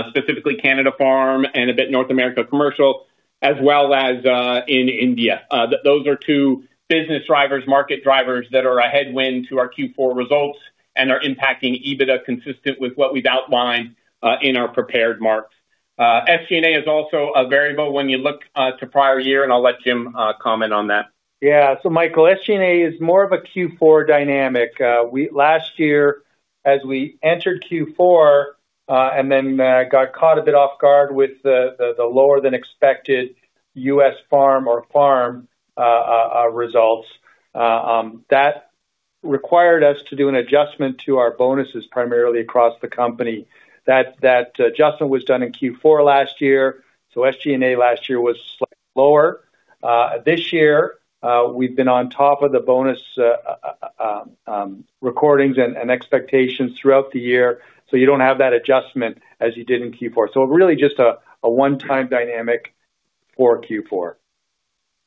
specifically Canadian farm and a bit North American commercial, as well as in India. Those are two business drivers, market drivers that are a headwind to our Q4 results and are impacting EBITDA consistent with what we've outlined in our prepared remarks. SG&A is also a variable when you look to prior year, and I'll let Jim comment on that. Yeah. So Michael, SG&A is more of a Q4 dynamic. Last year, as we entered Q4 and then got caught a bit off guard with the lower-than-expected U.S. farm, our farm results, that required us to do an adjustment to our bonuses primarily across the company. That adjustment was done in Q4 last year. So SG&A last year was slightly lower. This year, we've been on top of the bonus recordings and expectations throughout the year. So you don't have that adjustment as you did in Q4. So really just a one-time dynamic for Q4.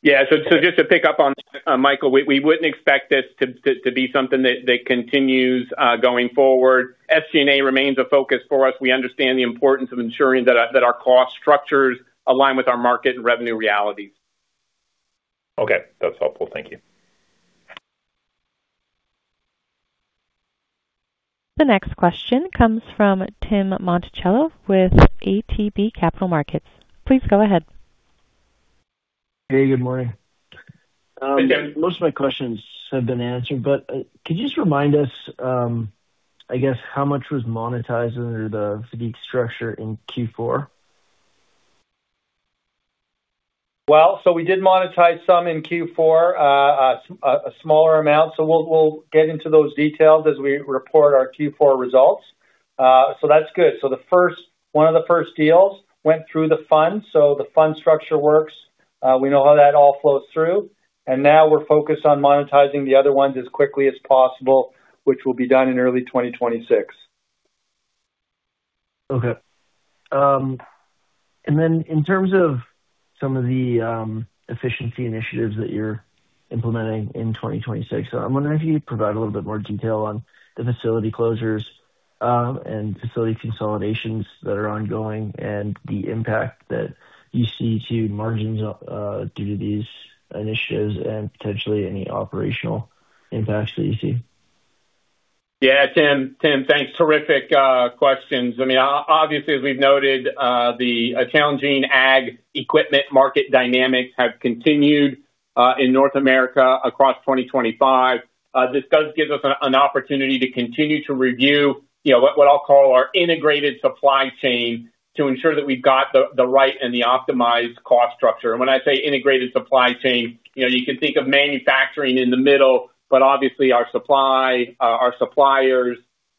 Yeah. So just to pick up on, Michael, we wouldn't expect this to be something that continues going forward. SG&A remains a focus for us. We understand the importance of ensuring that our cost structures align with our market and revenue realities. Okay. That's helpful. Thank you. The next question comes from Tim Monachello with ATB Capital Markets. Please go ahead. Hey. Good morning. Hey, Tim. Most of my questions have been answered, but could you just remind us, I guess, how much was monetized under the FIDC structure in Q4? Well, so we did monetize some in Q4, a smaller amount. So we'll get into those details as we report our Q4 results. So that's good. So one of the first deals went through the fund. So the fund structure works. We know how that all flows through. And now we're focused on monetizing the other ones as quickly as possible, which will be done in early 2026. Okay. And then in terms of some of the efficiency initiatives that you're implementing in 2026, I'm wondering if you could provide a little bit more detail on the facility closures and facility consolidations that are ongoing and the impact that you see to margins due to these initiatives and potentially any operational impacts that you see. Yeah. Tim, thanks. Terrific questions. I mean, obviously, as we've noted, the challenging ag equipment market dynamics have continued in North America across 2025. This does give us an opportunity to continue to review what I'll call our integrated supply chain to ensure that we've got the right and the optimized cost structure. And when I say integrated supply chain, you can think of manufacturing in the middle, but obviously, our suppliers,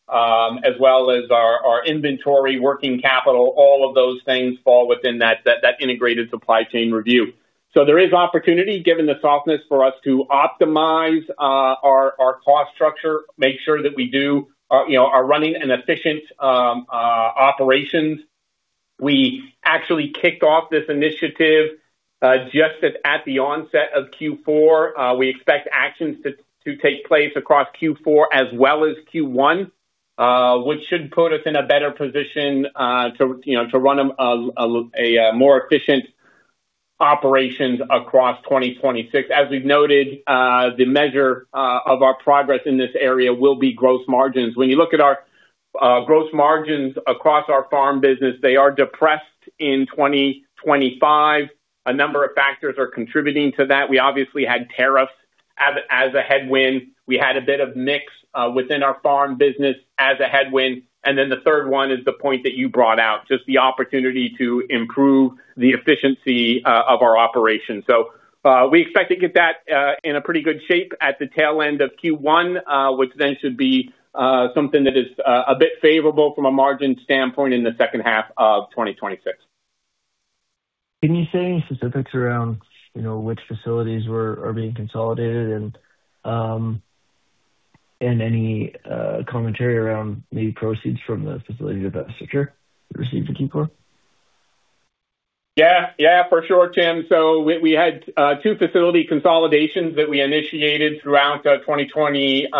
as well as our inventory, working capital, all of those things fall within that integrated supply chain review. So there is opportunity, given the softness, for us to optimize our cost structure, make sure that we are running an efficient operation. We actually kicked off this initiative just at the onset of Q4. We expect actions to take place across Q4 as well as Q1, which should put us in a better position to run a more efficient operation across 2026. As we've noted, the measure of our progress in this area will be gross margins. When you look at our gross margins across our farm business, they are depressed in 2025. A number of factors are contributing to that. We obviously had tariffs as a headwind. We had a bit of mix within our farm business as a headwind. And then the third one is the point that you brought out, just the opportunity to improve the efficiency of our operation. So we expect to get that in a pretty good shape at the tail end of Q1, which then should be something that is a bit favorable from a margin standpoint in the second half of 2026. Can you say any specifics around which facilities are being consolidated and any commentary around maybe proceeds from the facility that that structure received in Q4? Yeah. Yeah, for sure, Tim. So we had two facility consolidations that we initiated throughout 2025.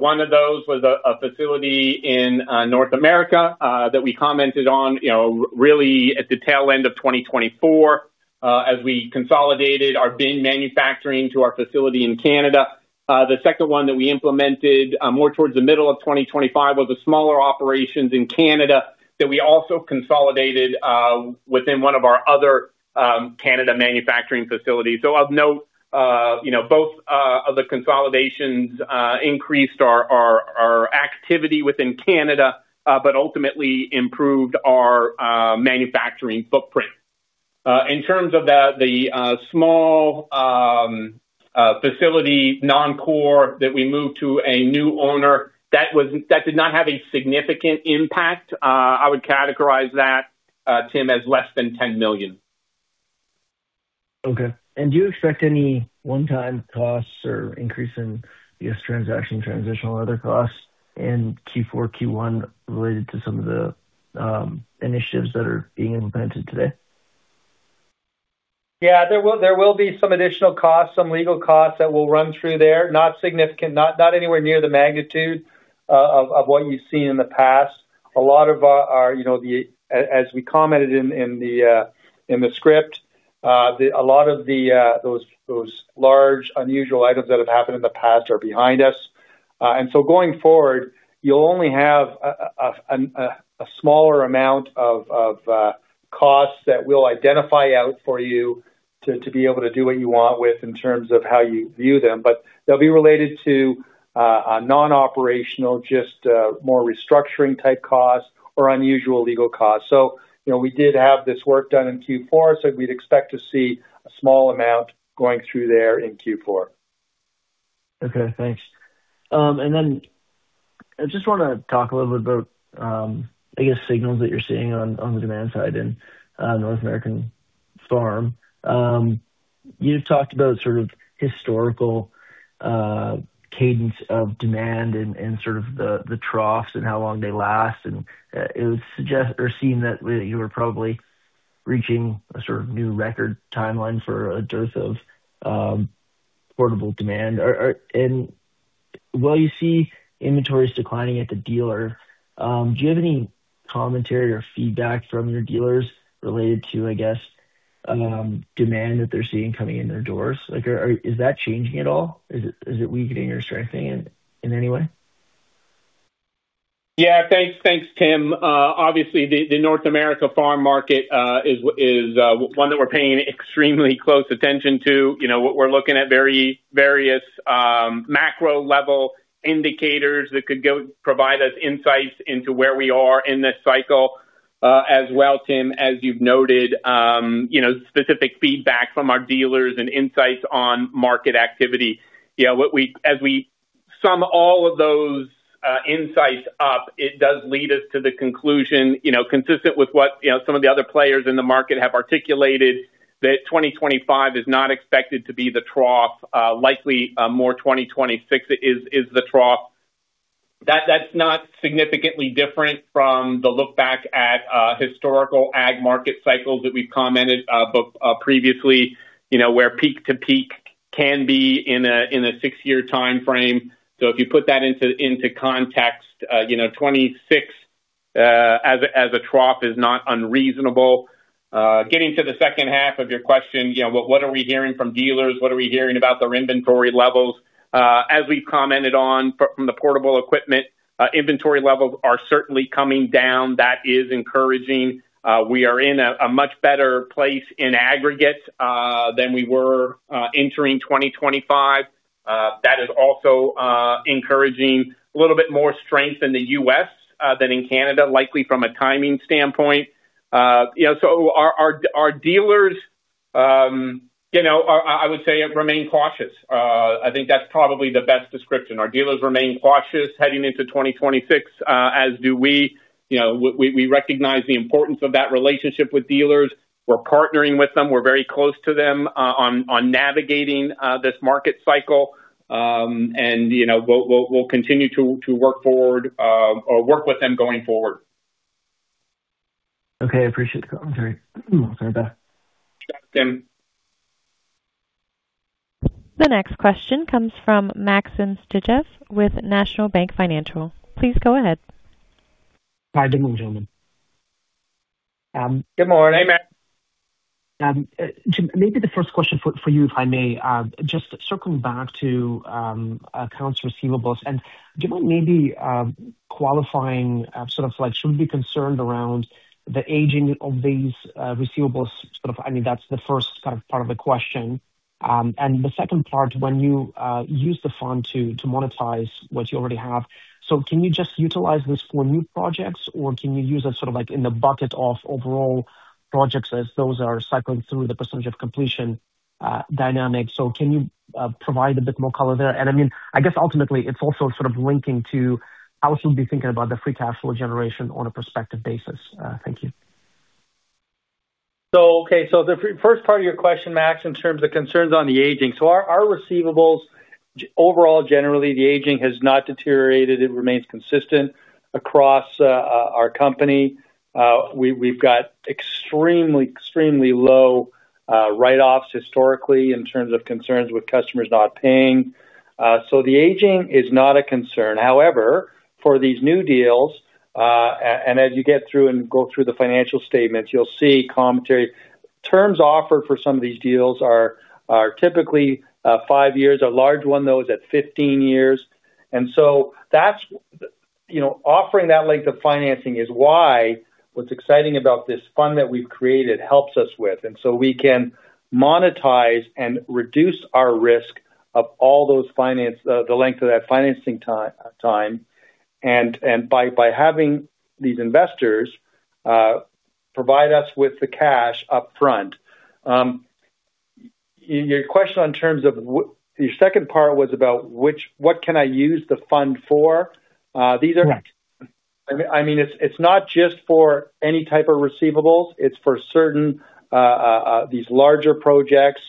One of those was a facility in North America that we commented on really at the tail end of 2024 as we consolidated our bin manufacturing to our facility in Canada. The second one that we implemented more towards the middle of 2025 was a smaller operation in Canada that we also consolidated within one of our other Canada manufacturing facilities. So of note, both of the consolidations increased our activity within Canada but ultimately improved our manufacturing footprint. In terms of the small facility, non-core, that we moved to a new owner, that did not have a significant impact. I would categorize that, Tim, as less than 10 million. Okay. And do you expect any one-time costs or increase in, I guess, transaction transitional or other costs in Q4, Q1 related to some of the initiatives that are being implemented today? Yeah. There will be some additional costs, some legal costs that will run through there, not anywhere near the magnitude of what you've seen in the past. A lot of our, as we commented in the script, a lot of those large unusual items that have happened in the past are behind us, and so going forward, you'll only have a smaller amount of costs that we'll identify out for you to be able to do what you want with in terms of how you view them, but they'll be related to non-operational, just more restructuring-type costs or unusual legal costs, so we did have this work done in Q4, so we'd expect to see a small amount going through there in Q4. Okay. Thanks, and then I just want to talk a little bit about, I guess, signals that you're seeing on the demand side in North American farm. You've talked about sort of historical cadence of demand and sort of the troughs and how long they last. And it was suggested or seen that you were probably reaching a sort of new record timeline for a dearth of portable demand. And while you see inventories declining at the dealer, do you have any commentary or feedback from your dealers related to, I guess, demand that they're seeing coming in their doors? Is that changing at all? Is it weakening or strengthening in any way? Yeah. Thanks, Tim. Obviously, the North America farm market is one that we're paying extremely close attention to. We're looking at various macro-level indicators that could provide us insights into where we are in this cycle as well, Tim, as you've noted, specific feedback from our dealers and insights on market activity. As we sum all of those insights up, it does lead us to the conclusion consistent with what some of the other players in the market have articulated, that 2025 is not expected to be the trough. Likely, more 2026 is the trough. That's not significantly different from the look back at historical ag market cycles that we've commented previously, where peak to peak can be in a six-year timeframe. So if you put that into context, 2026 as a trough is not unreasonable. Getting to the second half of your question, what are we hearing from dealers? What are we hearing about their inventory levels? As we've commented on from the portable equipment, inventory levels are certainly coming down. That is encouraging. We are in a much better place in aggregate than we were entering 2025. That is also encouraging. A little bit more strength in the U.S. than in Canada, likely from a timing standpoint. So our dealers, I would say, remain cautious. I think that's probably the best description. Our dealers remain cautious heading into 2026, as do we. We recognize the importance of that relationship with dealers. We're partnering with them. We're very close to them on navigating this market cycle. And we'll continue to work forward or work with them going forward. Okay. I appreciate the commentary. Sorry about that. Thanks, Tim. The next question comes from Maxim Sytchev with National Bank Financial. Please go ahead. Hi. Good morning, gentlemen. Good morning, Max. Jim, maybe the first question for you, if I may, just circling back to accounts receivables. And do you mind maybe qualifying sort of should we be concerned around the aging of these receivables? I mean, that's the first kind of part of the question. And the second part, when you use the fund to monetize what you already have, so can you just utilize this for new projects, or can you use it sort of in the bucket of overall projects as those are cycling through the percentage of completion dynamic? So can you provide a bit more color there? And I mean, I guess ultimately, it's also sort of linking to how should we be thinking about the free cash flow generation on a prospective basis. Thank you. So, okay. So the first part of your question, Max, in terms of concerns on the aging. So our receivables, overall, generally, the aging has not deteriorated. It remains consistent across our company. We've got extremely, extremely low write-offs historically in terms of concerns with customers not paying. So the aging is not a concern. However, for these new deals, and as you get through and go through the financial statements, you'll see commentary. Terms offered for some of these deals are typically five years. A large one, though, is at 15 years. And so offering that length of financing is why what's exciting about this fund that we've created helps us with. And so we can monetize and reduce our risk of all those finance, the length of that financing time, and by having these investors provide us with the cash upfront. Your question in terms of your second part was about what can I use the fund for? Correct. I mean, it's not just for any type of receivables. It's for these larger projects,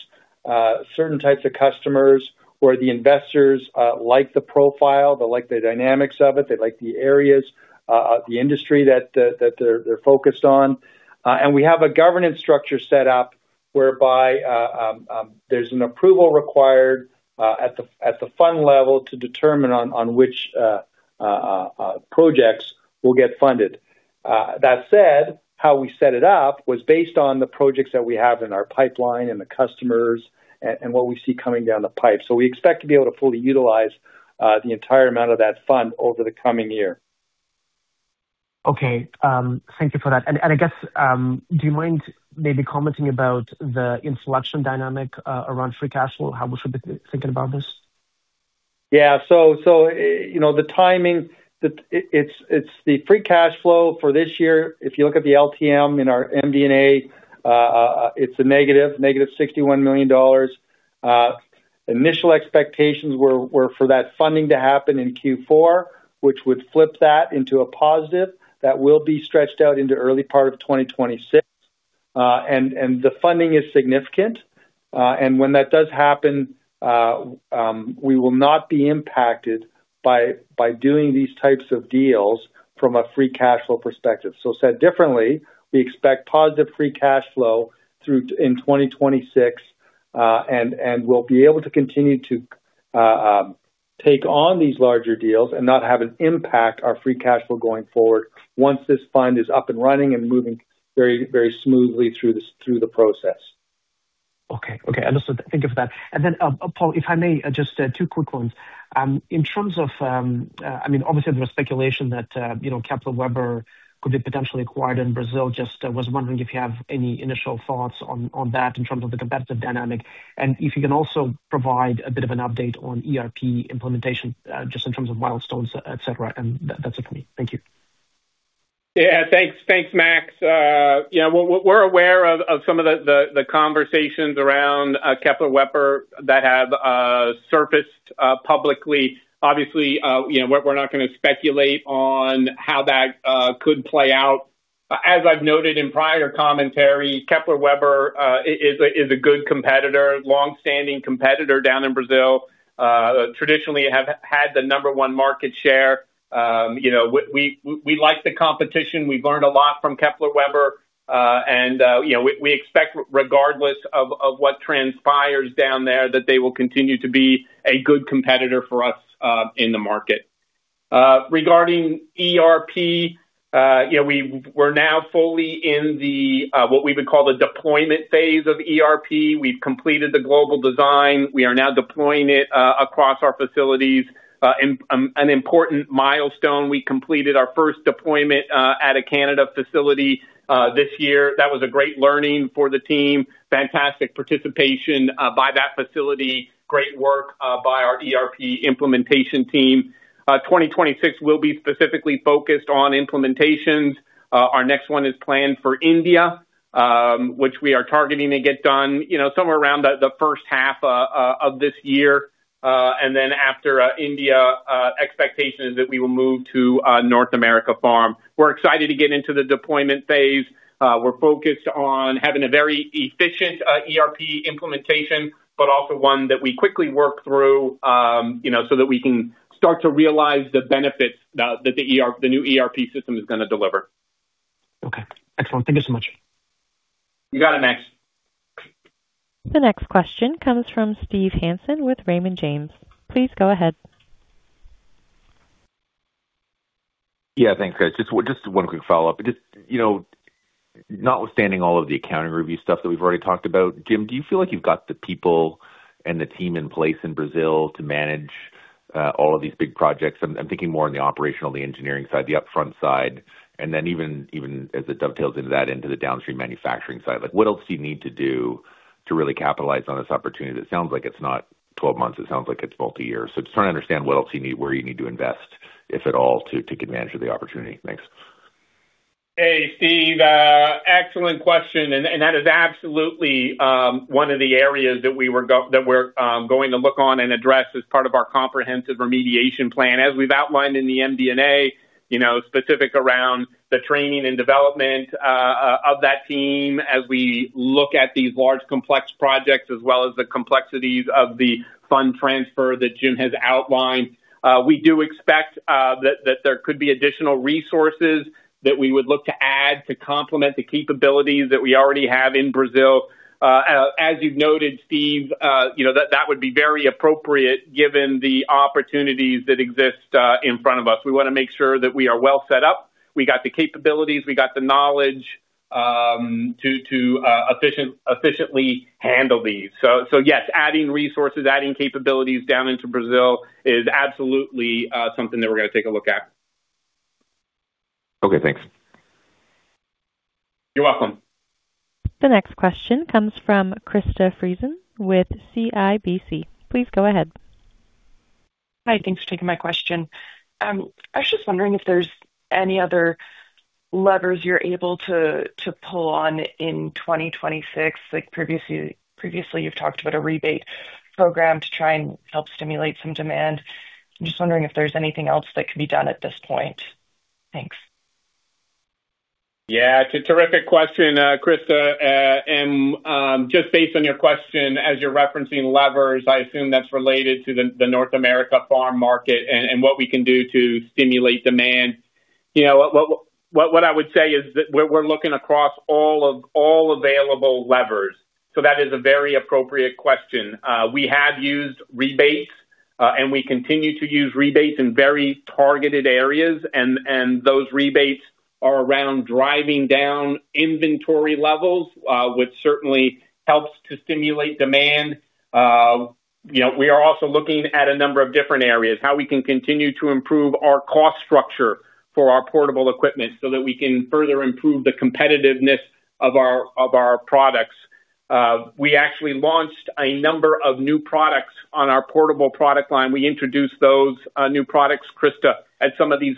certain types of customers where the investors like the profile. They like the dynamics of it. They like the areas, the industry that they're focused on. We have a governance structure set up whereby there's an approval required at the fund level to determine on which projects will get funded. That said, how we set it up was based on the projects that we have in our pipeline and the customers and what we see coming down the pipe. We expect to be able to fully utilize the entire amount of that fund over the coming year. Okay. Thank you for that. I guess, do you mind maybe commenting about the inflation dynamic around free cash flow? How we should be thinking about this? Yeah. The timing, it's the free cash flow for this year. If you look at the LTM in our MD&A, it's a negative, -61 million dollars. Initial expectations were for that funding to happen in Q4, which would flip that into a positive. That will be stretched out into early part of 2026, and the funding is significant, and when that does happen, we will not be impacted by doing these types of deals from a free cash flow perspective, so said differently, we expect positive free cash flow in 2026, and we'll be able to continue to take on these larger deals and not have an impact on our free cash flow going forward once this fund is up and running and moving very smoothly through the process. Okay. Okay. I'll just think of that, and then, Paul, if I may, just two quick ones. In terms of, I mean, obviously, there was speculation that Kepler Weber could be potentially acquired in Brazil. Just was wondering if you have any initial thoughts on that in terms of the competitive dynamic. And if you can also provide a bit of an update on ERP implementation, just in terms of milestones, etc. And that's it for me. Thank you. Yeah. Thanks, Max. Yeah. We're aware of some of the conversations around Kepler Weber that have surfaced publicly. Obviously, we're not going to speculate on how that could play out. As I've noted in prior commentary, Kepler Weber is a good competitor, long-standing competitor down in Brazil. Traditionally, have had the number one market share. We like the competition. We've learned a lot from Kepler Weber. And we expect, regardless of what transpires down there, that they will continue to be a good competitor for us in the market. Regarding ERP, we're now fully in what we would call the deployment phase of ERP. We've completed the global design. We are now deploying it across our facilities. An important milestone. We completed our first deployment at a Canadian facility this year. That was a great learning for the team. Fantastic participation by that facility. Great work by our ERP implementation team. 2026 will be specifically focused on implementations. Our next one is planned for India, which we are targeting to get done somewhere around the first half of this year. And then after India, expectation is that we will move to North American farm. We're excited to get into the deployment phase. We're focused on having a very efficient ERP implementation, but also one that we quickly work through so that we can start to realize the benefits that the new ERP system is going to deliver. Okay. Excellent. Thank you so much. You got it, Max. The next question comes from Steve Hansen with Raymond James. Please go ahead. Yeah. Thanks, guys. Just one quick follow-up. Notwithstanding all of the accounting review stuff that we've already talked about, Jim, do you feel like you've got the people and the team in place in Brazil to manage all of these big projects? I'm thinking more on the operational, the engineering side, the upfront side, and then even as it dovetails into that, into the downstream manufacturing side. What else do you need to do to really capitalize on this opportunity? It sounds like it's not 12 months. It sounds like it's multi-year. So just trying to understand what else you need, where you need to invest, if at all, to take advantage of the opportunity. Thanks. Hey, Steve. Excellent question. And that is absolutely one of the areas that we're going to look on and address as part of our comprehensive remediation plan. As we've outlined in the MD&A, specifically around the training and development of that team as we look at these large complex projects, as well as the complexities of the fund transfer that Jim has outlined. We do expect that there could be additional resources that we would look to add to complement the capabilities that we already have in Brazil. As you've noted, Steve, that would be very appropriate given the opportunities that exist in front of us. We want to make sure that we are well set up. We got the capabilities. We got the knowledge to efficiently handle these. So yes, adding resources, adding capabilities down into Brazil is absolutely something that we're going to take a look at. Okay. Thanks. You're welcome. The next question comes from Krista Friesen with CIBC. Please go ahead. Hi. Thanks for taking my question. I was just wondering if there's any other levers you're able to pull on in 2026. Previously, you've talked about a rebate program to try and help stimulate some demand. I'm just wondering if there's anything else that can be done at this point. Thanks. Yeah. It's a terrific question, Krista. And just based on your question, as you're referencing levers, I assume that's related to the North America farm market and what we can do to stimulate demand. What I would say is that we're looking across all available levers. So that is a very appropriate question. We have used rebates, and we continue to use rebates in very targeted areas. And those rebates are around driving down inventory levels, which certainly helps to stimulate demand. We are also looking at a number of different areas, how we can continue to improve our cost structure for our portable equipment so that we can further improve the competitiveness of our products. We actually launched a number of new products on our portable product line. We introduced those new products, Krista, at some of these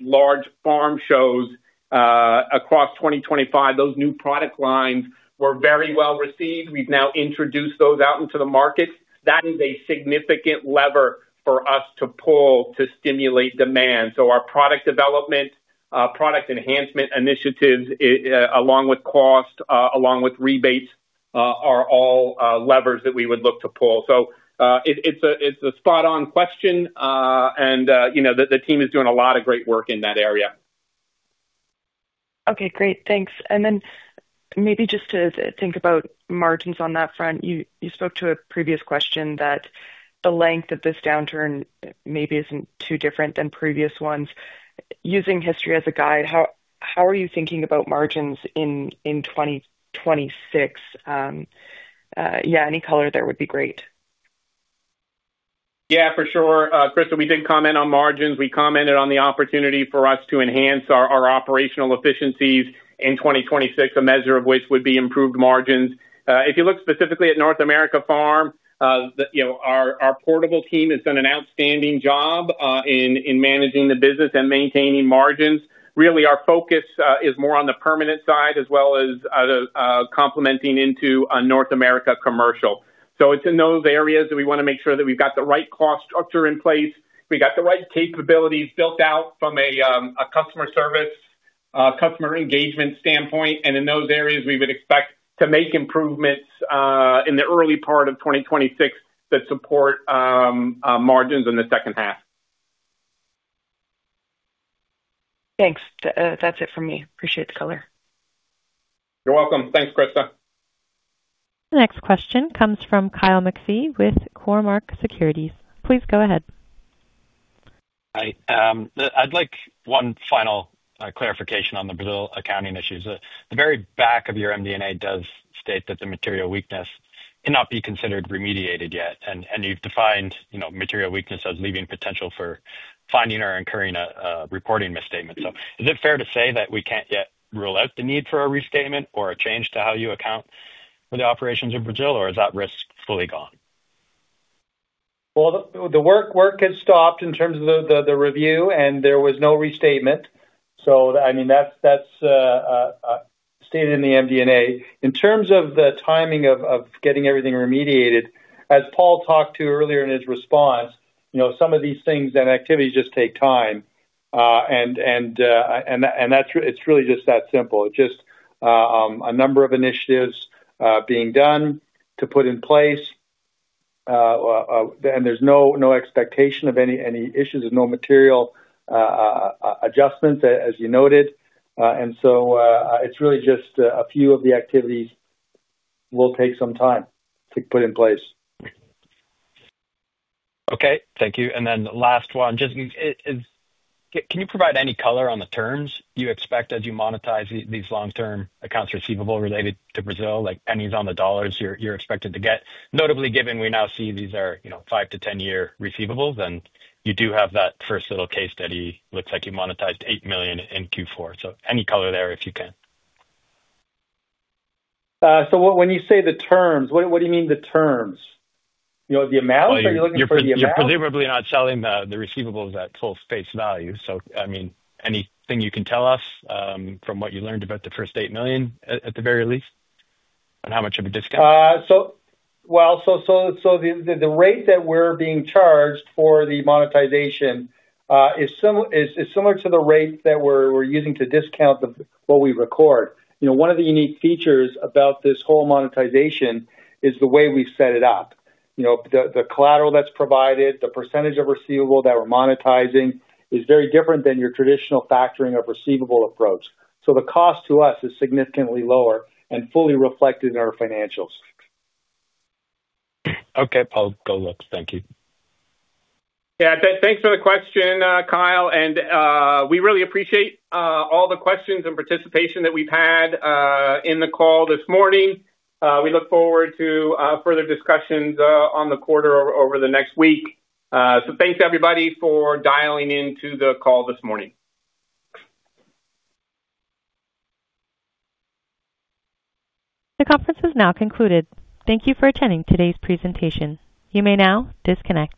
large farm shows across 2025. Those new product lines were very well received. We've now introduced those out into the market. That is a significant lever for us to pull to stimulate demand. So our product development, product enhancement initiatives, along with cost, along with rebates, are all levers that we would look to pull. So it's a spot-on question, and the team is doing a lot of great work in that area. Okay. Great. Thanks. And then, maybe just to think about margins on that front, you spoke to a previous question that the length of this downturn maybe isn't too different than previous ones. Using history as a guide, how are you thinking about margins in 2026? Yeah. Any color there would be great. Yeah. For sure. Krista, we did comment on margins. We commented on the opportunity for us to enhance our operational efficiencies in 2026, a measure of which would be improved margins. If you look specifically at North America Farm, our portable team has done an outstanding job in managing the business and maintaining margins. Really, our focus is more on the permanent side as well as complementing into a North America commercial. So it's in those areas that we want to make sure that we've got the right cost structure in place. We've got the right capabilities built out from a customer service, customer engagement standpoint, and in those areas, we would expect to make improvements in the early part of 2026 that support margins in the second half. Thanks. That's it for me. Appreciate the color. You're welcome. Thanks, Krista. The next question comes from Kyle McPhee with Cormark Securities. Please go ahead. Hi. I'd like one final clarification on the Brazil accounting issues. The very back of your MD&A does state that the material weakness cannot be considered remediated yet, and you've defined material weakness as leaving potential for finding or incurring a reporting misstatement, so is it fair to say that we can't yet rule out the need for a restatement or a change to how you account for the operations in Brazil, or is that risk fully gone? The work has stopped in terms of the review, and there was no restatement. So I mean, that's stated in the MD&A. In terms of the timing of getting everything remediated, as Paul talked to earlier in his response, some of these things and activities just take time. And it's really just that simple. Just a number of initiatives being done to put in place. And there's no expectation of any issues of no material adjustments, as you noted. And so it's really just a few of the activities will take some time to put in place. Okay. Thank you. And then last one, just can you provide any color on the terms you expect as you monetize these long-term accounts receivable related to Brazil, like pennies on the dollars you're expected to get? Notably, given we now see these are 5-10-year receivables, and you do have that first little case study. Looks like you monetized 8 million in Q4. So any color there if you can? So when you say the terms, what do you mean the terms? The amount, or are you looking for the amount? Well, you're presumably not selling the receivables at full face value. So I mean, anything you can tell us from what you learned about the first 8 million, at the very least, and how much of a discount? Well, so the rate that we're being charged for the monetization is similar to the rate that we're using to discount what we record. One of the unique features about this whole monetization is the way we've set it up. The collateral that's provided, the percentage of receivable that we're monetizing is very different than your traditional factoring of receivable approach. So the cost to us is significantly lower and fully reflected in our financials. Okay. Paul, good luck. Thank you. Yeah. Thanks for the question, Kyle. And we really appreciate all the questions and participation that we've had in the call this morning. We look forward to further discussions on the quarter over the next week. So thanks, everybody, for dialing into the call this morning. The conference is now concluded. Thank you for attending today's presentation. You may now disconnect.